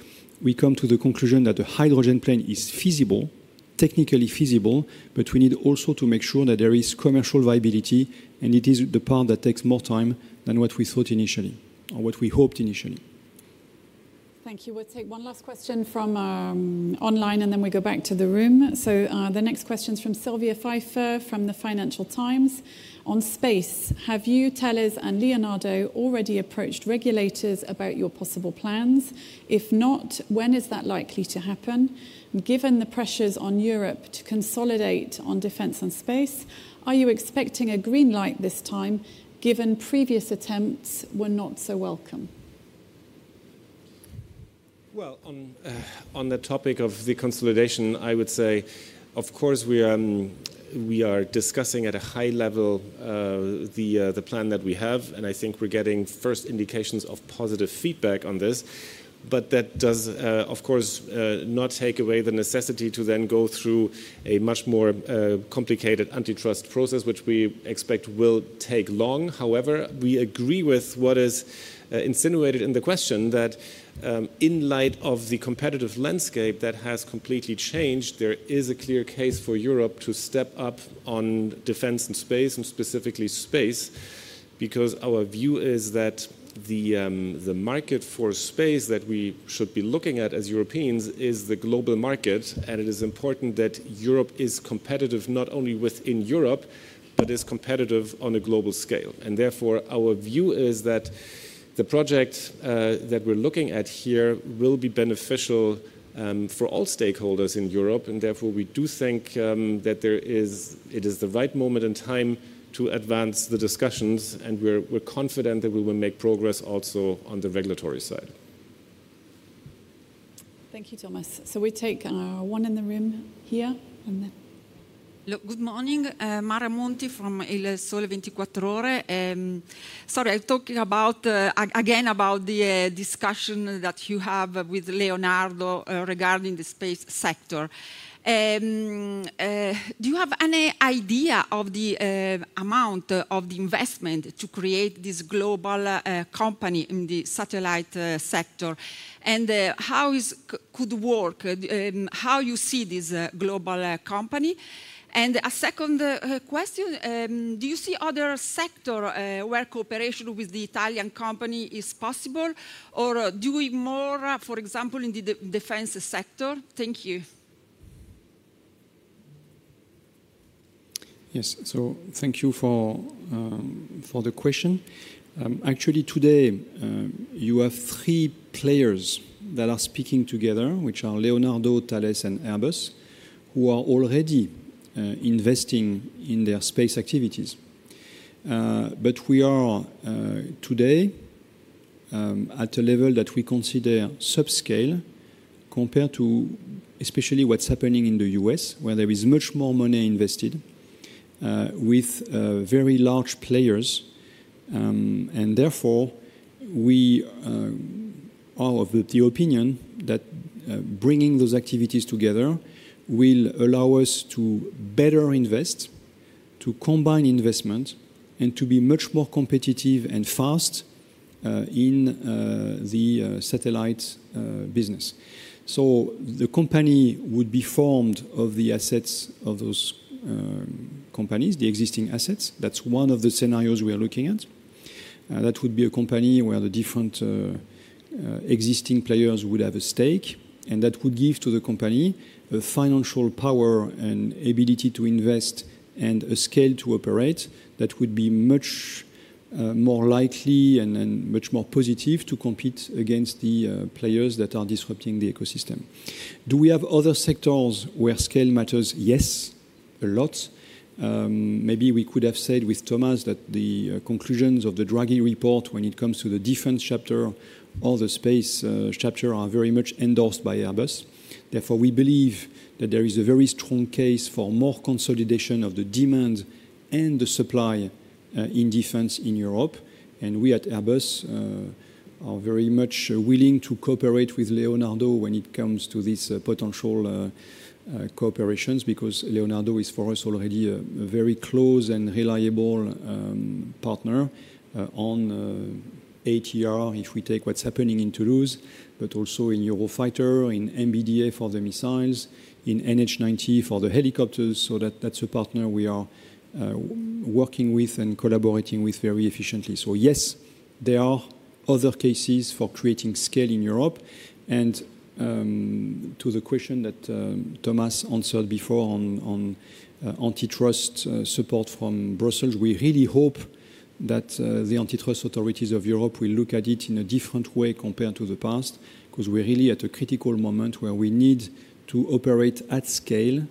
we come to the conclusion that the hydrogen plane is feasible, technically feasible, but we need also to make sure that there is commercial viability, and it is the part that takes more time than what we thought initially or what we hoped initially. Thank you. We'll take one last question from online, and then we go back to the room. So the next question is from Sylvia Pfeifer from the Financial Times. On space, have you, Thales, and Leonardo already approached regulators about your possible plans? If not, when is that likely to happen? Given the pressures on Europe to consolidate on defense and space, are you expecting a green light this time given previous attempts were not so welcome? On the topic of the consolidation, I would say, of course, we are discussing at a high-level the plan that we have, and I think we're getting first indications of positive feedback on this. But that does, of course, not take away the necessity to then go through a much more complicated antitrust process, which we expect will take long. However, we agree with what is insinuated in the question that in light of the competitive landscape that has completely changed, there is a clear case for Europe to step up on defense and space, and specifically space, because our view is that the market for space that we should be looking at as Europeans is the global market, and it is important that Europe is competitive not only within Europe, but is competitive on a global scale. Therefore, our view is that the project that we're looking at here will be beneficial for all stakeholders in Europe, and therefore we do think that it is the right moment in time to advance the discussions, and we're confident that we will make progress also on the regulatory side. Thank you, Thomas. So we take one in the room here. Look, good morning. Mara Monti from Il Sole 24 Ore. Sorry, I'm talking again about the discussion that you have with Leonardo regarding the space sector. Do you have any idea of the amount of the investment to create this global company in the satellite sector? And how could work? How do you see this global company? And a second question, do you see other sectors where cooperation with the Italian company is possible, or doing more, for example, in the defense sector? Thank you. Yes, so thank you for the question. Actually, today, you have three players that are speaking together, which are Leonardo, Thales, and Airbus, who are already investing in their space activities. But we are today at a level that we consider subscale compared to especially what's happening in the U.S., where there is much more money invested with very large players. And therefore, we are of the opinion that bringing those activities together will allow us to better invest, to combine investment, and to be much more competitive and fast in the satellite business. So the company would be formed of the assets of those companies, the existing assets. That's one of the scenarios we are looking at. That would be a company where the different existing players would have a stake, and that would give to the company a financial power and ability to invest and a scale to operate that would be much more likely and much more positive to compete against the players that are disrupting the ecosystem. Do we have other sectors where scale matters? Yes, a lot. Maybe we could have said with Thomas that the conclusions of the Draghi report when it comes to the defense chapter or the space chapter are very much endorsed by Airbus. Therefore, we believe that there is a very strong case for more consolidation of the demand and the supply in defense in Europe. And we at Airbus are very much willing to cooperate with Leonardo when it comes to these potential cooperations because Leonardo is for us already a very close and reliable partner on ATR if we take what's happening in Toulouse, but also in Eurofighter, in MBDA for the missiles, in NH90 for the helicopters. So that's a partner we are working with and collaborating with very efficiently. So yes, there are other cases for creating scale in Europe. And to the question that Thomas answered before on antitrust support from Brussels, we really hope that the antitrust authorities of Europe will look at it in a different way compared to the past because we're really at a critical moment where we need to operate at scale,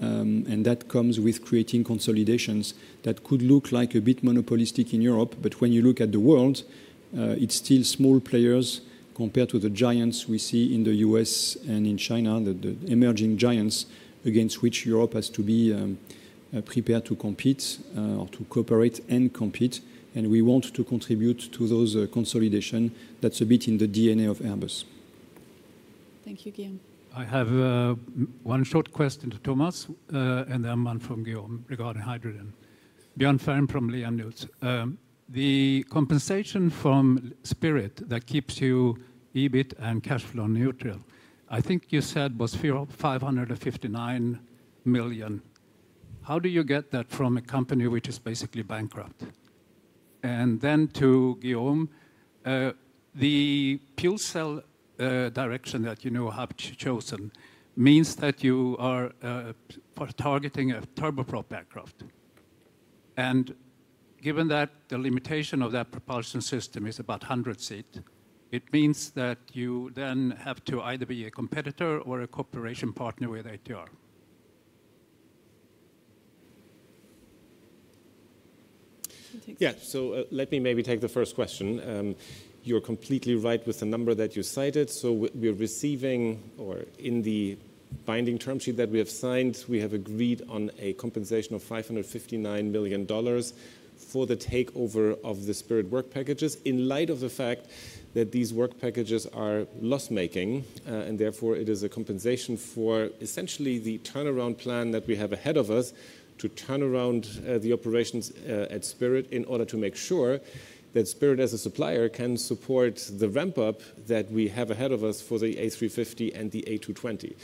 and that comes with creating consolidations that could look like a bit monopolistic in Europe. But when you look at the world, it's still small players compared to the giants we see in the U.S. and in China, the emerging giants against which Europe has to be prepared to compete or to cooperate and compete. And we want to contribute to those consolidations. That's a bit in the DNA of Airbus. Thank you, Guillaume. I have one short question to Thomas, and then one from Guillaume regarding hydrogen. Bjorn Fehrm from Leeham News. The compensation from Spirit that keeps you EBIT and cash flow neutral, I think you said was $559 million. How do you get that from a company which is basically bankrupt? And then to Guillaume, the fuel cell direction that you now have chosen means that you are targeting a turboprop aircraft. And given that the limitation of that propulsion system is about 100 seats, it means that you then have to either be a competitor or a cooperation partner with ATR. Yeah, so let me maybe take the first question. You're completely right with the number that you cited. So we're receiving or in the binding term sheet that we have signed, we have agreed on a compensation of $559 million for the takeover of the Spirit work packages in light of the fact that these work packages are loss-making. And therefore, it is a compensation for essentially the turnaround plan that we have ahead of us to turn around the operations at Spirit in order to make sure that Spirit as a supplier can support the ramp-up that we have ahead of us for the A350 and the A220.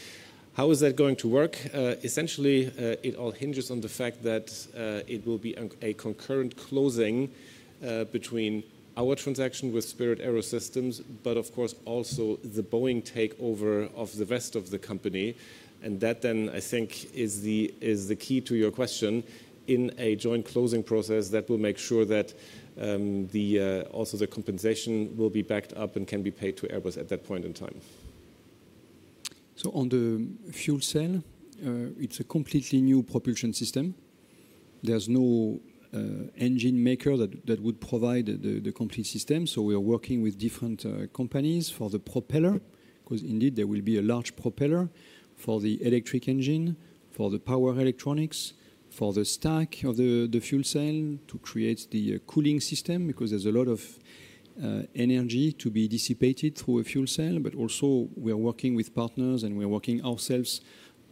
How is that going to work? Essentially, it all hinges on the fact that it will be a concurrent closing between our transaction with Spirit AeroSystems, but of course, also the Boeing takeover of the rest of the company. That then, I think, is the key to your question in a joint closing process that will make sure that also the compensation will be backed up and can be paid to Airbus at that point in time. So on the fuel cell, it's a completely new propulsion system. There's no engine maker that would provide the complete system. So we are working with different companies for the propeller because indeed there will be a large propeller for the electric engine, for the power electronics, for the stack of the fuel cell to create the cooling system because there's a lot of energy to be dissipated through a fuel cell. But also, we are working with partners and we are working ourselves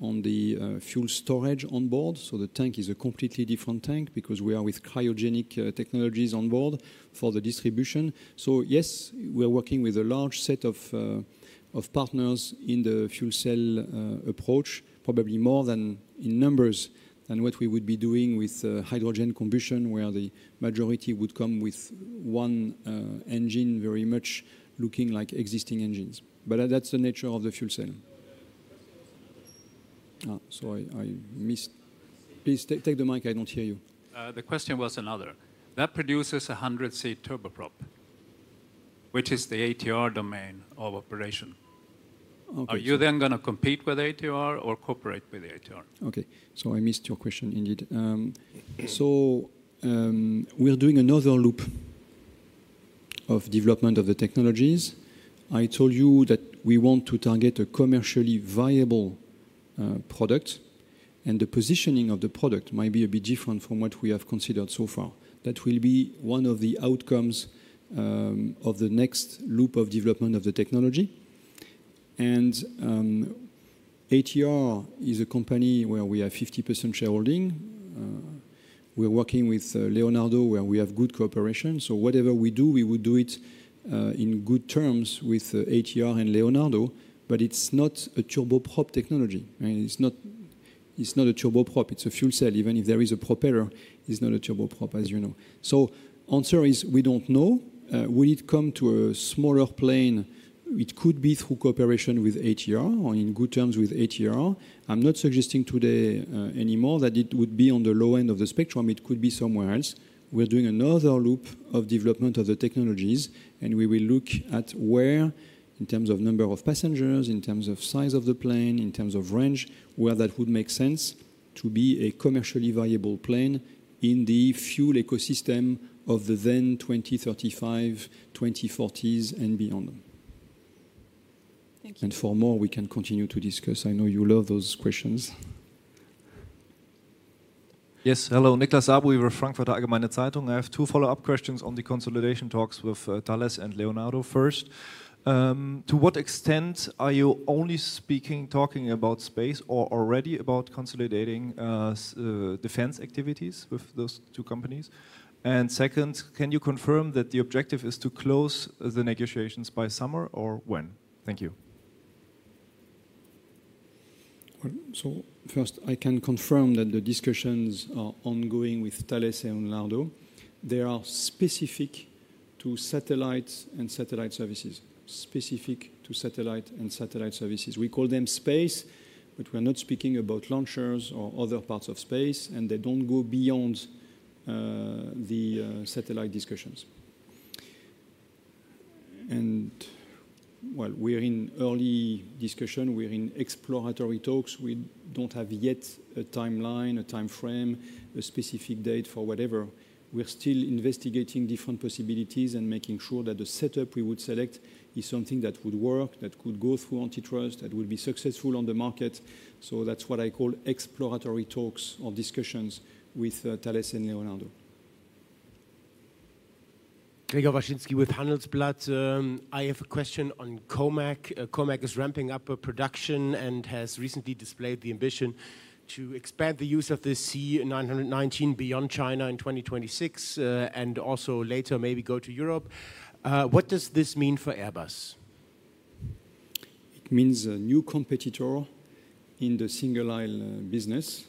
on the fuel storage on board. So the tank is a completely different tank because we are with cryogenic technologies on board for the distribution. So yes, we are working with a large set of partners in the fuel cell approach, probably more in numbers than what we would be doing with hydrogen combustion, where the majority would come with one engine very much looking like existing engines. But that's the nature of the fuel cell. So I missed. Please take the mic. I don't hear you. The question was another. That produces 100 seat turboprop, which is the ATR domain of operation. Are you then going to compete with ATR or cooperate with ATR? Okay, so I missed your question indeed. So we're doing another loop of development of the technologies. I told you that we want to target a commerciallyviable product, and the positioning of the product might be a bit different from what we have considered so far. That will be one of the outcomes of the next loop of development of the technology. And ATR is a company where we have 50% shareholding. We're working with Leonardo where we have good cooperation. So whatever we do, we would do it in good terms with ATR and Leonardo, but it's not a turboprop technology. It's not a turboprop. It's a fuel cell. Even if there is a propeller, it's not a turboprop, as you know. So the answer is we don't know. When it comes to a smaller plane, it could be through cooperation with ATR or in good terms with ATR. I'm not suggesting today anymore that it would be on the low end of the spectrum. It could be somewhere else. We're doing another loop of development of the technologies, and we will look at where in terms of number of passengers, in terms of size of the plane, in terms of range, where that would make sense to be a commerciallyviable plane in the fuel ecosystem of the then 2035, 2040s, and beyond. And for more, we can continue to discuss. I know you love those questions. Yes, hello, Niklas Záboji over Frankfurter Allgemeine Zeitung. I have two follow-up questions on the consolidation talks with Thales and Leonardo first. To what extent are you only talking about space or already about consolidating defense activities with those two companies? And second, can you confirm that the objective is to close the negotiations by summer or when? Thank you. So first, I can confirm that the discussions are ongoing with Thales and Leonardo. They are specific to satellites and satellite services, specific to satellite and satellite services. We call them space, but we are not speaking about launchers or other parts of space, and they don't go beyond the satellite discussions. And while we're in early discussion, we're in exploratory talks. We don't have yet a timeline, a timeframe, a specific date for whatever. We're still investigating different possibilities and making sure that the setup we would select is something that would work, that could go through antitrust, that would be successful on the market. So that's what I call exploratory talks or discussions with Thales and Leonardo. Gregor Waschinski with Handelsblatt. I have a question on COMAC. COMAC is ramping up production and has recently displayed the ambition to expand the use of the C919 beyond China in 2026 and also later maybe go to Europe. What does this mean for Airbus? It means a new competitor in the single-aisle business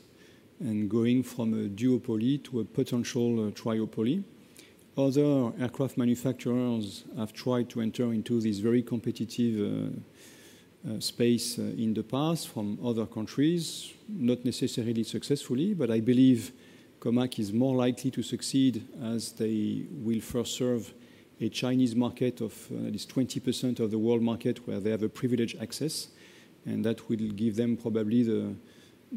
and going from a duopoly to a potential triopoly. Other aircraft manufacturers have tried to enter into this very competitive space in the past from other countries, not necessarily successfully, but I believe COMAC is more likely to succeed as they will first serve a Chinese market of at least 20% of the world market where they have a privileged access. And that will give them probably the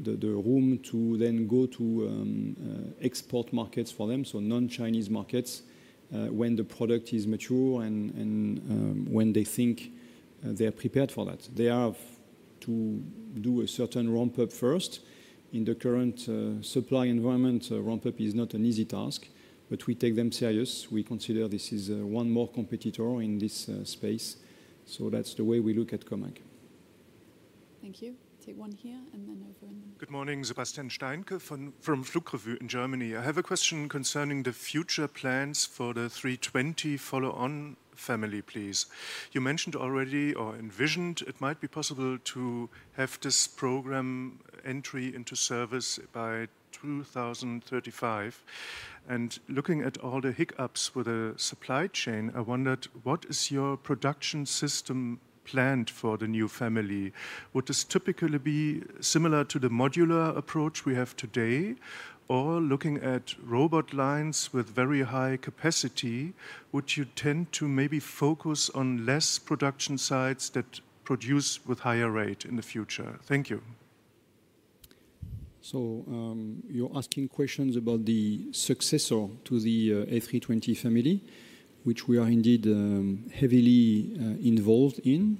room to then go to export markets for them, so non-Chinese markets, when the product is mature and when they think they are prepared for that. They have to do a certain ramp-up first. In the current supply environment, ramp-up is not an easy task, but we take them seriously. We consider this is one more competitor in this space. So that's the way we look at COMAC. Thank you. Take one here and then over. Good morning, Sebastian Steinke from FLUG REVUE in Germany. I have a question concerning the future plans for the 320 follow-on family, please. You mentioned already or envisioned it might be possible to have this program entry into service by 2035, and looking at all the hiccups with the supply chain, I wondered what is your production system planned for the new family. Would this typically be similar to the modular approach we have today, or looking at robot lines with very high capacity, would you tend to maybe focus on less production sites that produce with higher rate in the future? Thank you. You're asking questions about the successor to the A320 family, which we are indeed heavily involved in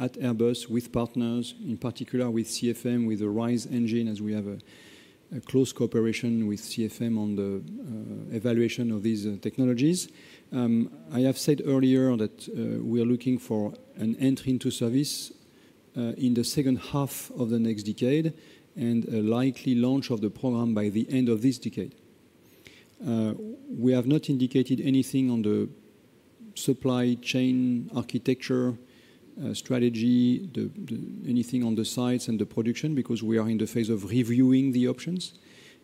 at Airbus with partners, in particular with CFM, with the RISE engine, as we have a close cooperation with CFM on the evaluation of these technologies. I have said earlier that we are looking for an entry into service in the second half of the next decade and a likely launch of the program by the end of this decade. We have not indicated anything on the supply chain architecture, strategy, anything on the sites and the production because we are in the phase of reviewing the options.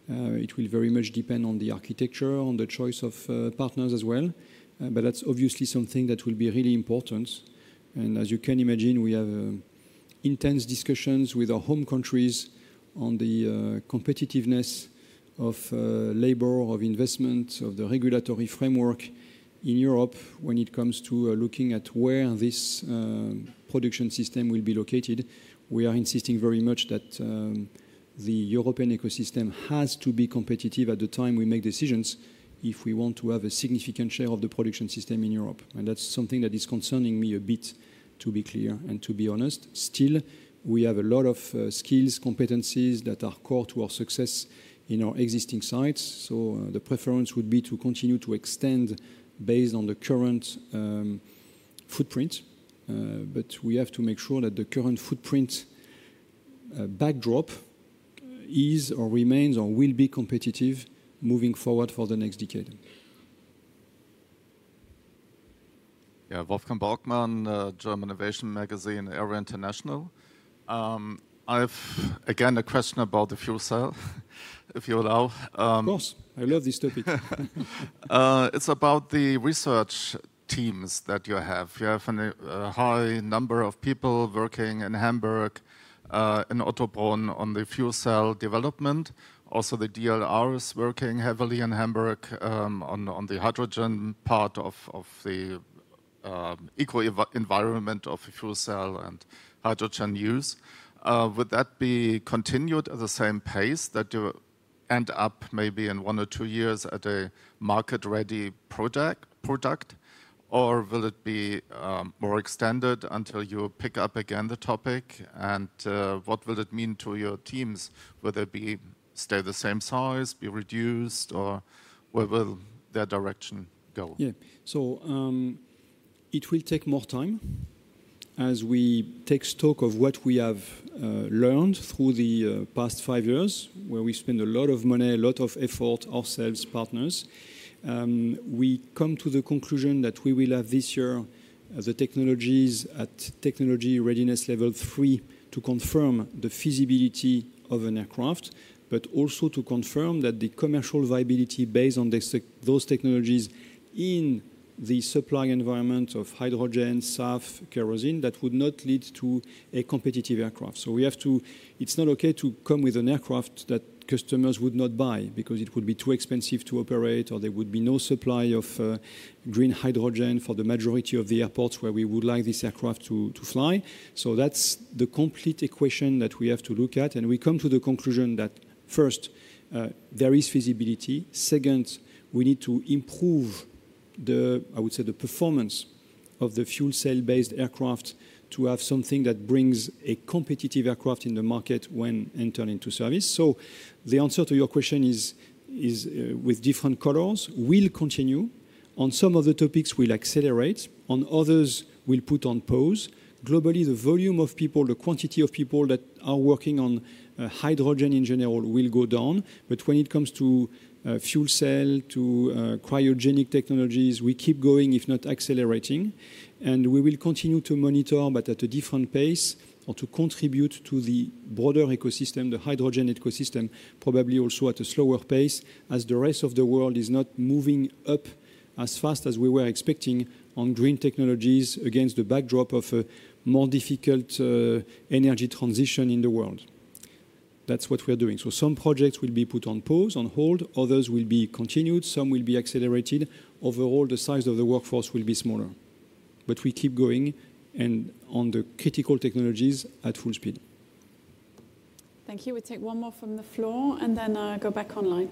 It will very much depend on the architecture, on the choice of partners as well. That's obviously something that will be really important. As you can imagine, we have intense discussions with our home countries on the competitiveness of labor, of investment, of the regulatory framework in Europe when it comes to looking at where this production system will be located. We are insisting very much that the European ecosystem has to be competitive at the time we make decisions if we want to have a significant share of the production system in Europe. That's something that is concerning me a bit, to be clear and to be honest. Still, we have a lot of skills, competencies that are core to our success in our existing sites. The preference would be to continue to extend based on the current footprint. We have to make sure that the current footprint backdrop is or remains or will be competitive moving forward for the next decade. Wolfgang Borgmann, German Innovation Magazine, Aero International. I have again a question about the fuel cell, if you allow. Of course. I love this topic. It's about the research teams that you have. You have a high number of people working in Hamburg, in Ottobrunn on the fuel cell development. Also, the DLR is working heavily in Hamburg on the hydrogen part of the eco-environment of the fuel cell and hydrogen use. Would that be continued at the same pace that you end up maybe in one or two years at a market-ready product, or will it be more extended until you pick up again the topic? And what will it mean to your teams? Will they stay the same size, be reduced, or where will their direction go? Yeah, so it will take more time as we take stock of what we have learned through the past five years where we spend a lot of money, a lot of effort, ourselves, partners. We come to the conclusion that we will have this year the technologies at technology readiness level three to confirm the feasibility of an aircraft, but also to confirm that the commercial viability based on those technologies in the supply environment of hydrogen, SAF or kerosene that would not lead to a competitive aircraft. So we have to. It's not okay to come with an aircraft that customers would not buy because it would be too expensive to operate or there would be no supply of green hydrogen for the majority of the airports where we would like this aircraft to fly. So that's the complete equation that we have to look at. We come to the conclusion that first, there is feasibility. Second, we need to improve the, I would say, the performance of the fuel cell-based aircraft to have something that brings a competitive aircraft in the market when entering into service. The answer to your question is with different colors. We'll continue. On some of the topics, we'll accelerate. On others, we'll put on pause. Globally, the volume of people, the quantity of people that are working on hydrogen in general will go down. When it comes to fuel cell, to cryogenic technologies, we keep going, if not accelerating. We will continue to monitor, but at a different pace or to contribute to the broader ecosystem, the hydrogen ecosystem, probably also at a slower pace as the rest of the world is not moving up as fast as we were expecting on green technologies against the backdrop of a more difficult energy transition in the world. That's what we are doing. Some projects will be put on pause, on hold. Others will be continued. Some will be accelerated. Overall, the size of the workforce will be smaller. We keep going and on the critical technologies at full speed. Thank you. We take one more from the floor and then go back online.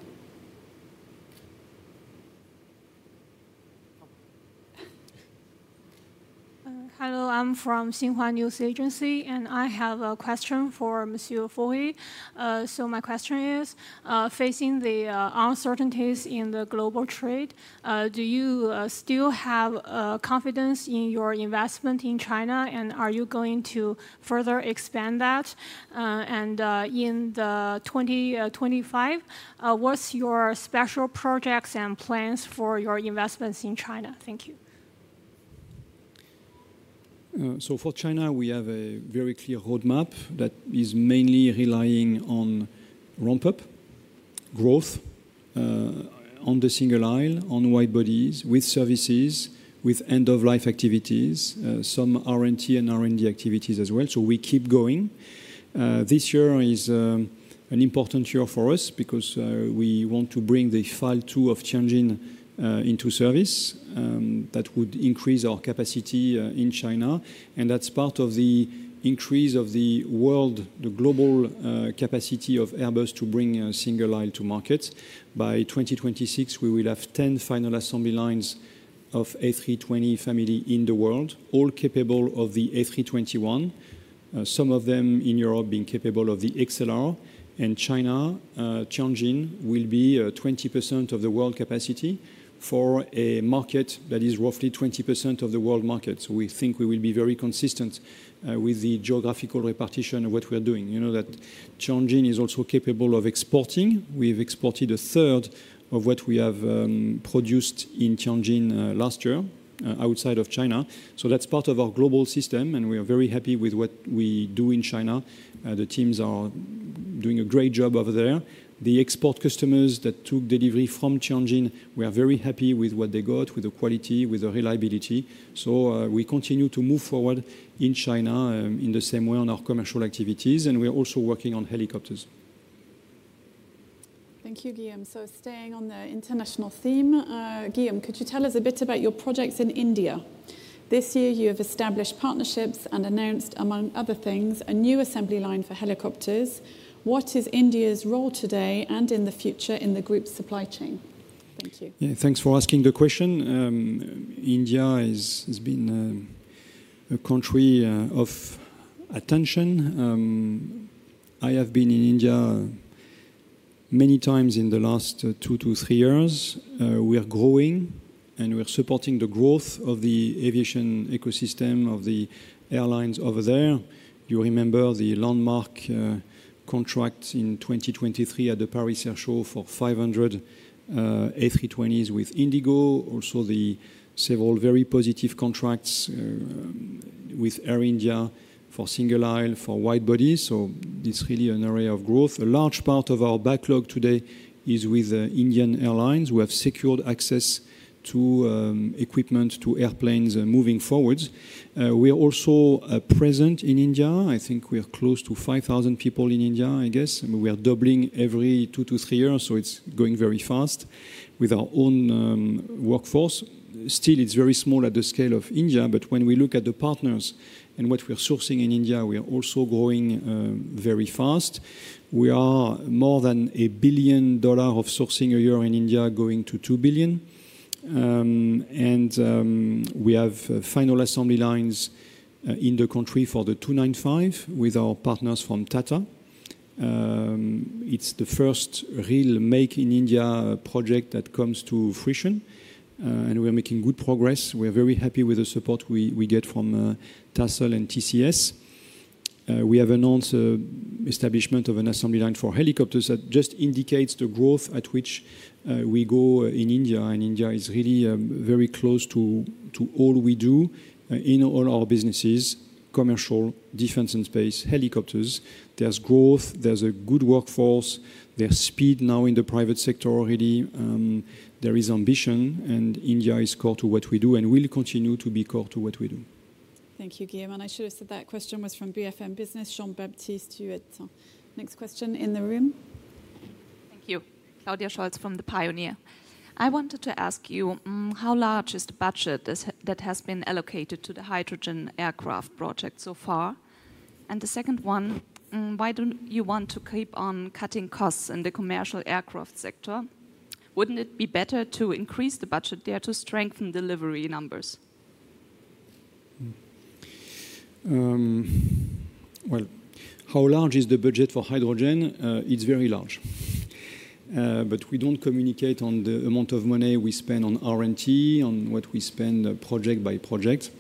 Hello, I'm from Xinhua News Agency, and I have a question for Monsieur Faury. My question is, facing the uncertainties in the global trade, do you still have confidence in your investment in China, and are you going to further expand that? And in 2025, what's your special projects and plans for your investments in China? Thank you. For China, we have a very clear roadmap that is mainly relying on ramp-up, growth on the single-aisle, on wide bodies, with services, with end-of-life activities, some R&T and R&D activities as well. So we keep going. This year is an important year for us because we want to bring the Line 2 of Tianjin into service. That would increase our capacity in China. And that's part of the increase of the world, the global capacity of Airbus to bring a single-aisle to market. By 2026, we will have 10 final assembly lines of A320 Family in the world, all capable of the A321, some of them in Europe being capable of the XLR. And China, Tianjin will be 20% of the world capacity for a market that is roughly 20% of the world market. So we think we will be very consistent with the geographical repartition of what we are doing. You know that Tianjin is also capable of exporting. We've exported a third of what we have produced in Tianjin last year outside of China. So that's part of our global system, and we are very happy with what we do in China. The teams are doing a great job over there. The export customers that took delivery from Tianjin, we are very happy with what they got, with the quality, with the reliability. So we continue to move forward in China in the same way on our commercial activities, and we're also working on helicopters. Thank you, Guillaume. So staying on the international theme, Guillaume, could you tell us a bit about your projects in India? This year, you have established partnerships and announced, among other things, a new assembly line for helicopters. What is India's role today and in the future in the group's supply chain? Thank you. Yeah, thanks for asking the question. India has been a country of attention. I have been in India many times in the last two to three years. We are growing and we are supporting the growth of the aviation ecosystem of the airlines over there. You remember the landmark contract in 2023 at the Paris Air Show for 500 A320s with IndiGo, also the several very positive contracts with Air India for single-aisle, for wide bodies. So it's really an area of growth. A large part of our backlog today is with Indian airlines. We have secured access to equipment, to airplanes moving forward. We are also present in India. I think we are close to 5,000 people in India, I guess. We are doubling every two to three years, so it's going very fast with our own workforce. Still, it's very small at the scale of India, but when we look at the partners and what we are sourcing in India, we are also growing very fast. We are more than $1 billion of sourcing a year in India going to $2 billion. And we have final assembly lines in the country for the 295 with our partners from Tata. It's the first real make-in-India project that comes to fruition, and we are making good progress. We are very happy with the support we get from TASL and TCS. We have announced the establishment of an assembly line for helicopters that just indicates the growth at which we go in India, and India is really very close to all we do in all our businesses: commercial, defense, and space, helicopters. There's growth, there's a good workforce, there's speed now in the private sector already. There is ambition, and India is core to what we do and will continue to be core to what we do. Thank you, Guillaume. And I should have said that question was from BFM Business, Jean-Baptiste Huet. Next question in the room. Thank you. Claudia Scholz from The Pioneer. I wanted to ask you, how large is the budget that has been allocated to the hydrogen aircraft project so far? And the second one, why don't you want to keep on cutting costs in the commercial aircraft sector? Wouldn't it be better to increase the budget there to strengthen delivery numbers? How large is the budget for hydrogen? It's very large. But we don't communicate on the amount of money we spend on R&T, on what we spend project by project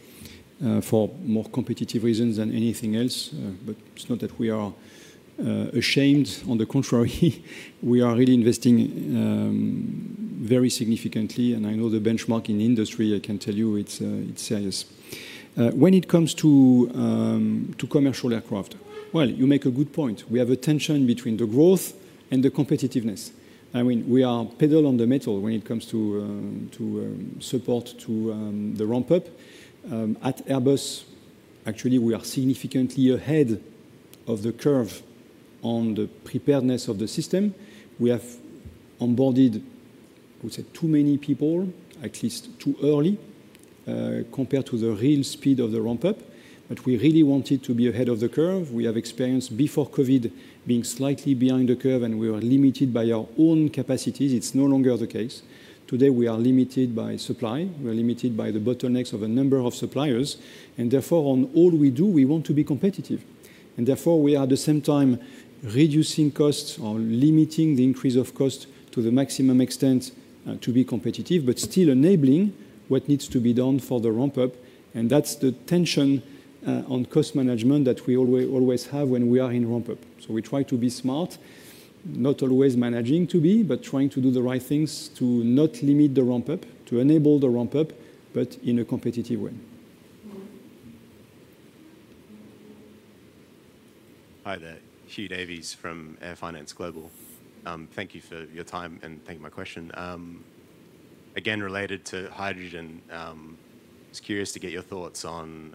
for more competitive reasons than anything else. But it's not that we are ashamed. On the contrary, we are really investing very significantly, and I know the benchmark in industry, I can tell you it's serious. When it comes to commercial aircraft, well, you make a good point. We have a tension between the growth and the competitiveness. I mean, we are pedal on the metal when it comes to support to the ramp-up. At Airbus, actually, we are significantly ahead of the curve on the preparedness of the system. We have onboarded, I would say, too many people, at least too early compared to the real speed of the ramp-up. But we really wanted to be ahead of the curve. We have experienced before COVID being slightly behind the curve, and we were limited by our own capacities. It's no longer the case. Today, we are limited by supply. We are limited by the bottlenecks of a number of suppliers. And therefore, on all we do, we want to be competitive. And therefore, we are at the same time reducing costs or limiting the increase of cost to the maximum extent to be competitive, but still enabling what needs to be done for the ramp-up. And that's the tension on cost-management that we always have when we are in ramp-up. So we try to be smart, not always managing to be, but trying to do the right things to not limit the ramp-up, to enable the ramp-up, but in a competitive way. Hi, there. Hugh Davies from Airfinance Global. Thank you for your time and thank you for my question. Again, related to hydrogen, I was curious to get your thoughts on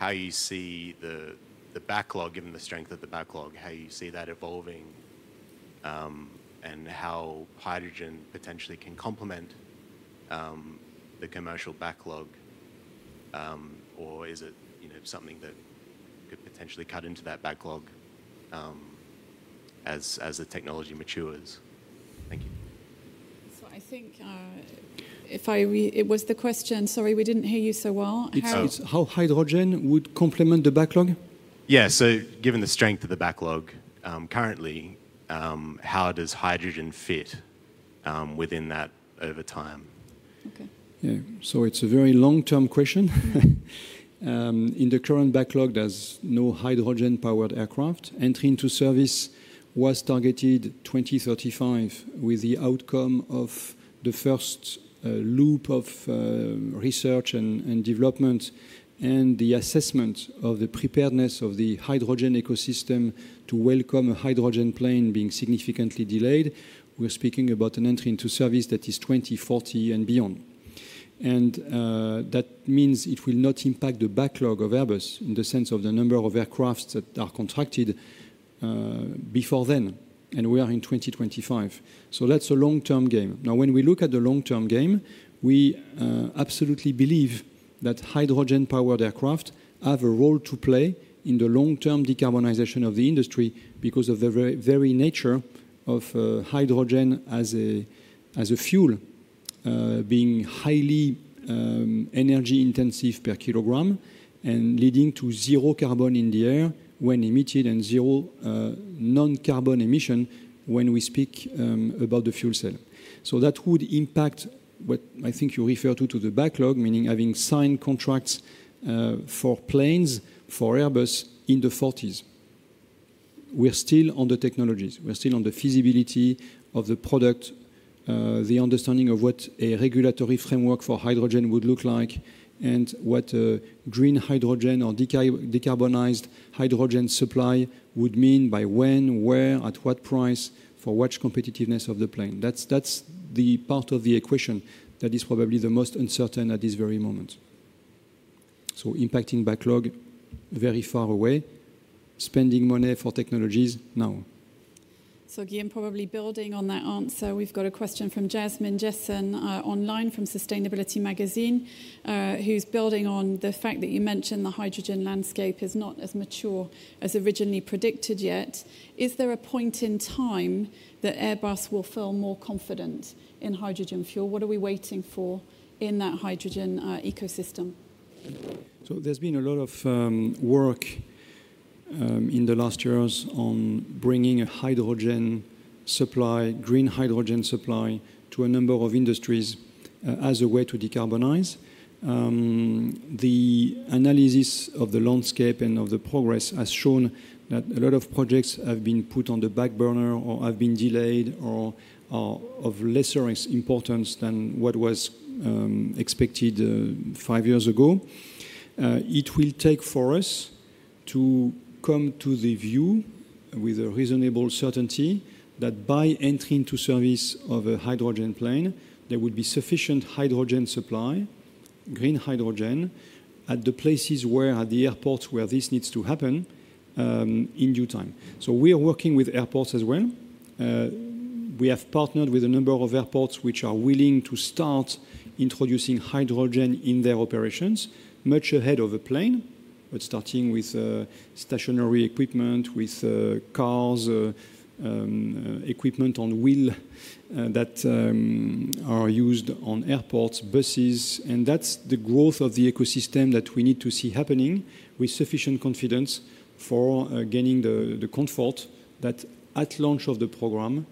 how you see the backlog, given the strength of the backlog, how you see that evolving and how hydrogen potentially can complement the commercial backlog, or is it something that could potentially cut into that backlog as the technology matures? Thank you. So, I think if I read, it was the question. Sorry, we didn't hear you so well. How hydrogen would complement the backlog? Yeah, so given the strength of the backlog currently, how does hydrogen fit within that over time? Yeah, so it's a very long-term question. In the current backlog, there's no hydrogen-powered aircraft. Entry into service was targeted 2035 with the outcome of the first loop of research and development and the assessment of the preparedness of the hydrogen ecosystem to welcome a hydrogen plane being significantly delayed. We're speaking about an entry into service that is 2040 and beyond. And that means it will not impact the backlog of Airbus in the sense of the number of aircraft that are contracted before then, and we are in 2025. So that's a long-term game. Now, when we look at the long-term game, we absolutely believe that hydrogen-powered aircraft have a role to play in the long-term decarbonization of the industry because of the very nature of hydrogen as a fuel being highly energy-intensive per kilogram and leading to zero carbon in the air when emitted and zero non-carbon emission when we speak about the fuel cell. So that would impact what I think you refer to, to the backlog, meaning having signed contracts for planes, for Airbus in the 40s. We're still on the technologies. We're still on the feasibility of the product, the understanding of what a regulatory framework for hydrogen would look like, and what green hydrogen or decarbonized hydrogen supply would mean by when, where, at what price, for what competitiveness of the plane. That's the part of the equation that is probably the most uncertain at this very moment. So, impacting backlog very far away, spending money for technologies now. So, Guillaume, probably building on that answer. We've got a question from Jasmin Jessen online from Sustainability Magazine, who's building on the fact that you mentioned the hydrogen landscape is not as mature as originally predicted yet. Is there a point in time that Airbus will feel more confident in hydrogen fuel? What are we waiting for in that hydrogen ecosystem? There's been a lot of work in the last years on bringing a hydrogen supply, green hydrogen supply to a number of industries as a way to decarbonize. The analysis of the landscape and of the progress has shown that a lot of projects have been put on the back burner or have been delayed or of lesser importance than what was expected five years ago. It will take for us to come to the view with a reasonable certainty that by entry into service of a hydrogen plane, there would be sufficient hydrogen supply, green hydrogen at the places where, at the airports where this needs to happen in due time. We are working with airports as well. We have partnered with a number of airports which are willing to start introducing hydrogen in their operations much ahead of a plane, but starting with stationary equipment, with cars, equipment on wheel that are used on airports, buses. And that's the growth of the ecosystem that we need to see happening with sufficient confidence for gaining the comfort that at launch of the program,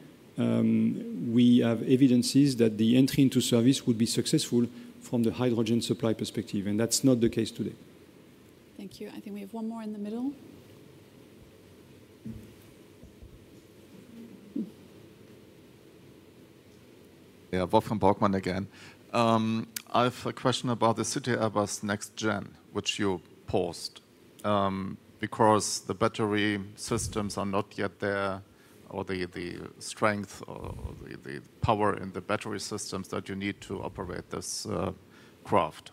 we have evidences that the entry into service would be successful from the hydrogen supply perspective. And that's not the case today. Thank you. I think we have one more in the middle. Yeah, Wolfgang Borgmann again. I have a question about the CityAirbus NextGen, which you paused because the battery systems are not yet there or the strength or the power in the battery systems that you need to operate this craft.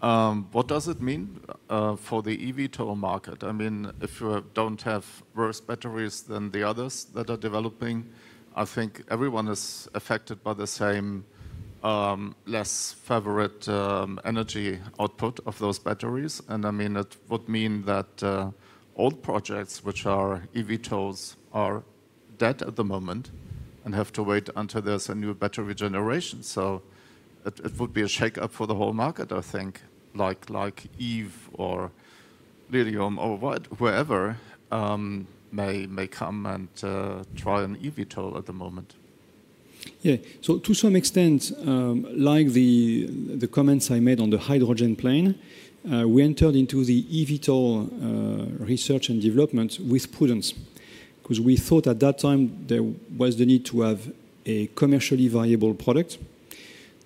What does it mean for the eVTOL market? I mean, if you don't have worse batteries than the others that are developing, I think everyone is affected by the same less favorable energy output of those batteries. And I mean, it would mean that old projects which are eVTOLs are dead at the moment and have to wait until there's a new battery generation. So it would be a shake-up for the whole market, I think, like Eve or Lilium or whoever may come and try an eVTOL at the moment. Yeah, so to some extent, like the comments I made on the hydrogen plane, we entered into the eVTOL research and development with prudence because we thought at that time there was the need to have a commerciallyviable product,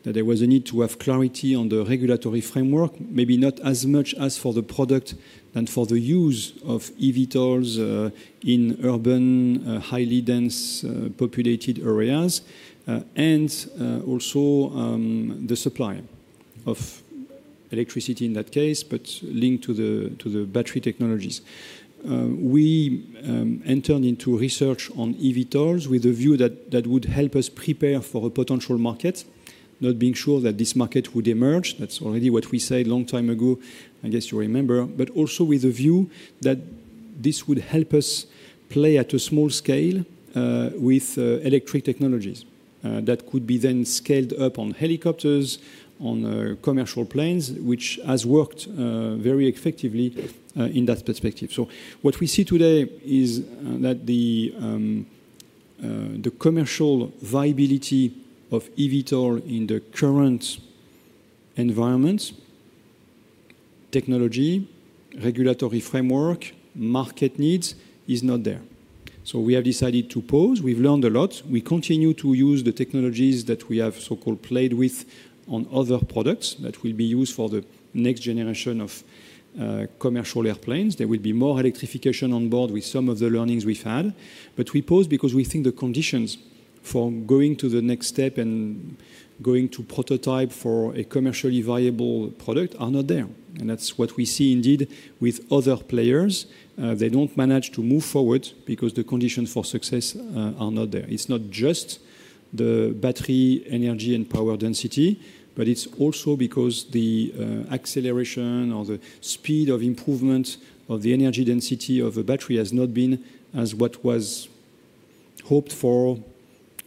that there was a need to have clarity on the regulatory framework, maybe not as much as for the product and for the use of eVTOLs in urban, highly dense, populated areas, and also the supply of electricity in that case, but linked to the battery technologies. We entered into research on eVTOLs with a view that would help us prepare for a potential market, not being sure that this market would emerge. That's already what we said a long time ago, I guess you remember, but also with a view that this would help us play at a small-scale with electric technologies that could be then scaled up on helicopters, on commercial planes, which has worked very effectively in that perspective. So what we see today is that the commercial viability of eVTOL in the current environment, technology, regulatory framework, market needs is not there. So we have decided to pause. We've learned a lot. We continue to use the technologies that we have so-called played with on other products that will be used for the next generation of commercial airplanes. There will be more electrification on board with some of the learnings we've had. We pause because we think the conditions for going to the next step and going to prototype for a commercially viable product are not there. That's what we see indeed with other players. They don't manage to move forward because the conditions for success are not there. It's not just the battery energy and power density, but it's also because the acceleration or the speed of improvement of the energy density of a battery has not been as what was hoped for,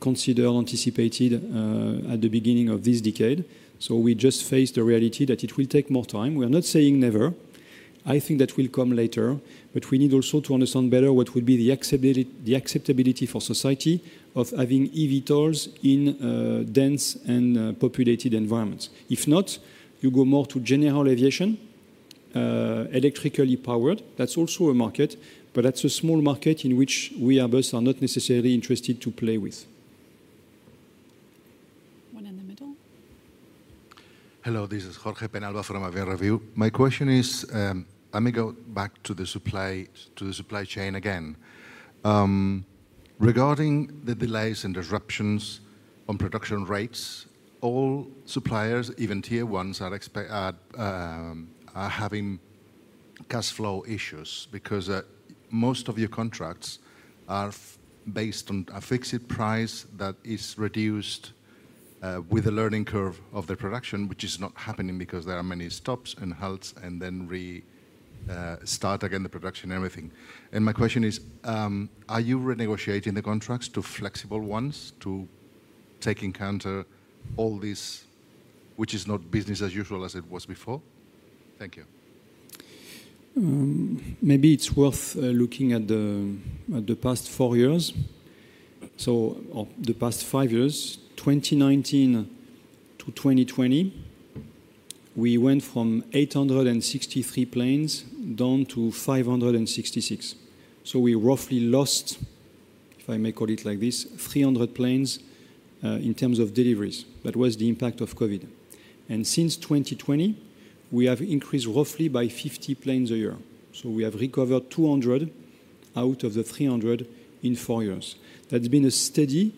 considered, anticipated at the beginning of this decade. We just faced the reality that it will take more time. We are not saying never. I think that will come later, but we need also to understand better what would be the acceptability for society of having eVTOLs in dense and populated environments. If not, you go more to general aviation, electrically-powered. That's also a market, but that's a small market in which we Airbus are not necessarily interested to play with. One in the middle. Hello, this is Jorge Penalba from Avion Revue. My question is, let me go back to the supply chain again. Regarding the delays and disruptions on production rates, all suppliers, even tier ones, are having cash flow issues because most of your contracts are based on a fixed price that is reduced with a learning curve of the production, which is not happening because there are many stops and halts and then restart again the production and everything. And my question is, are you renegotiating the contracts to flexible ones to take into account all this, which is not business as usual as it was before? Thank you. Maybe it's worth looking at the past four years, so the past five years, 2019 to 2020, we went from 863 planes down to 566, so we roughly lost, if I may call it like this, 300 planes in terms of deliveries. That was the impact of COVID, and since 2020, we have increased roughly by 50 planes a year. So we have recovered 200 out of the 300 in four years. That's been a steady,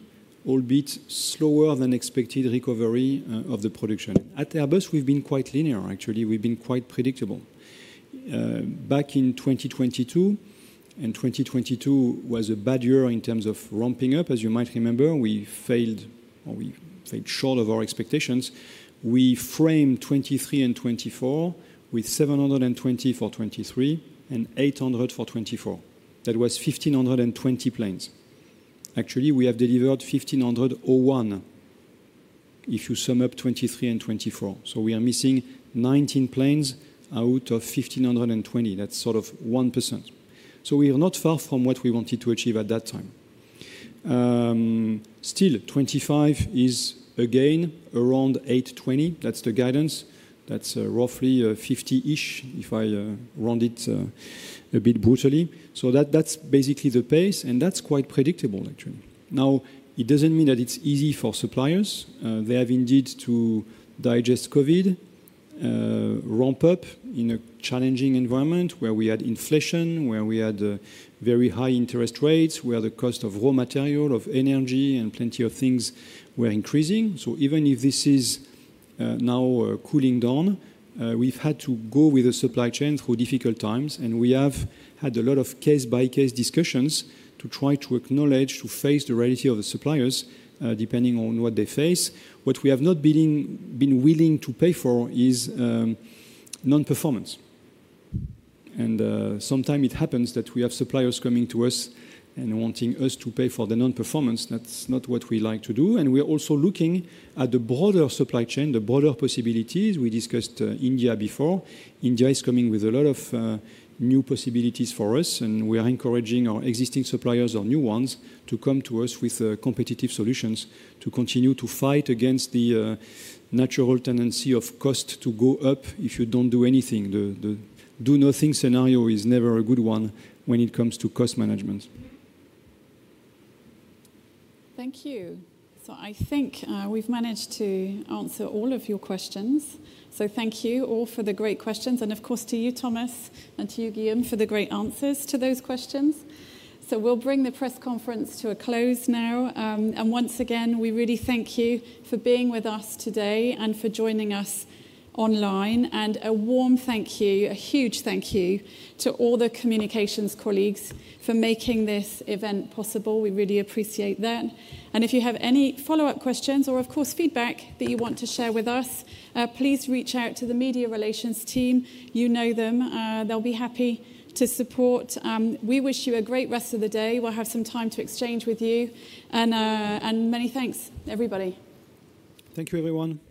albeit slower than expected recovery of the production. At Airbus, we've been quite linear, actually. We've been quite predictable. Back in 2022, and 2022 was a bad year in terms of ramping-up, as you might remember. We failed or we fell short of our expectations. We framed 2023 and 2024 with 720 for 2023 and 800 for 2024. That was 1,520 planes. Actually, we have delivered 1,501 if you sum up 2023 and 2024. So we are missing 19 planes out of 1,520. That's sort of 1%. So we are not far from what we wanted to achieve at that time. Still, 2025 is again around 820. That's the guidance. That's roughly 50-ish, if I round it a bit brutally. So that's basically the pace, and that's quite predictable, actually. Now, it doesn't mean that it's easy for suppliers. They have indeed to digest COVID, ramp-up in a challenging environment where we had inflation, where we had very high interest rates, where the cost of raw material, of energy, and plenty of things were increasing. So even if this is now cooling down, we've had to go with the supply chain through difficult times, and we have had a lot of case-by-case discussions to try to acknowledge, to face the reality of the suppliers depending on what they face. What we have not been willing to pay for is non-performance. And sometimes it happens that we have suppliers coming to us and wanting us to pay for the non-performance. That's not what we like to do. And we are also looking at the broader supply chain, the broader possibilities. We discussed India before. India is coming with a lot of new possibilities for us, and we are encouraging our existing suppliers or new ones to come to us with competitive solutions to continue to fight against the natural tendency of cost to go up if you don't do anything. The do-nothing scenario is never a good one when it comes to cost-management. Thank you. So I think we've managed to answer all of your questions. So thank you all for the great questions. And of course, to you, Thomas, and to you, Guillaume, for the great answers to those questions. So we'll bring the press conference to a close now. And once again, we really thank you for being with us today and for joining us online. And a warm thank you, a huge thank you to all the communications colleagues for making this event possible. We really appreciate that. And if you have any follow-up questions or, of course, feedback that you want to share with us, please reach out to the media relations team. You know them. They'll be happy to support. We wish you a great rest of the day. We'll have some time to exchange with you. And many thanks, everybody. Thank you, everyone.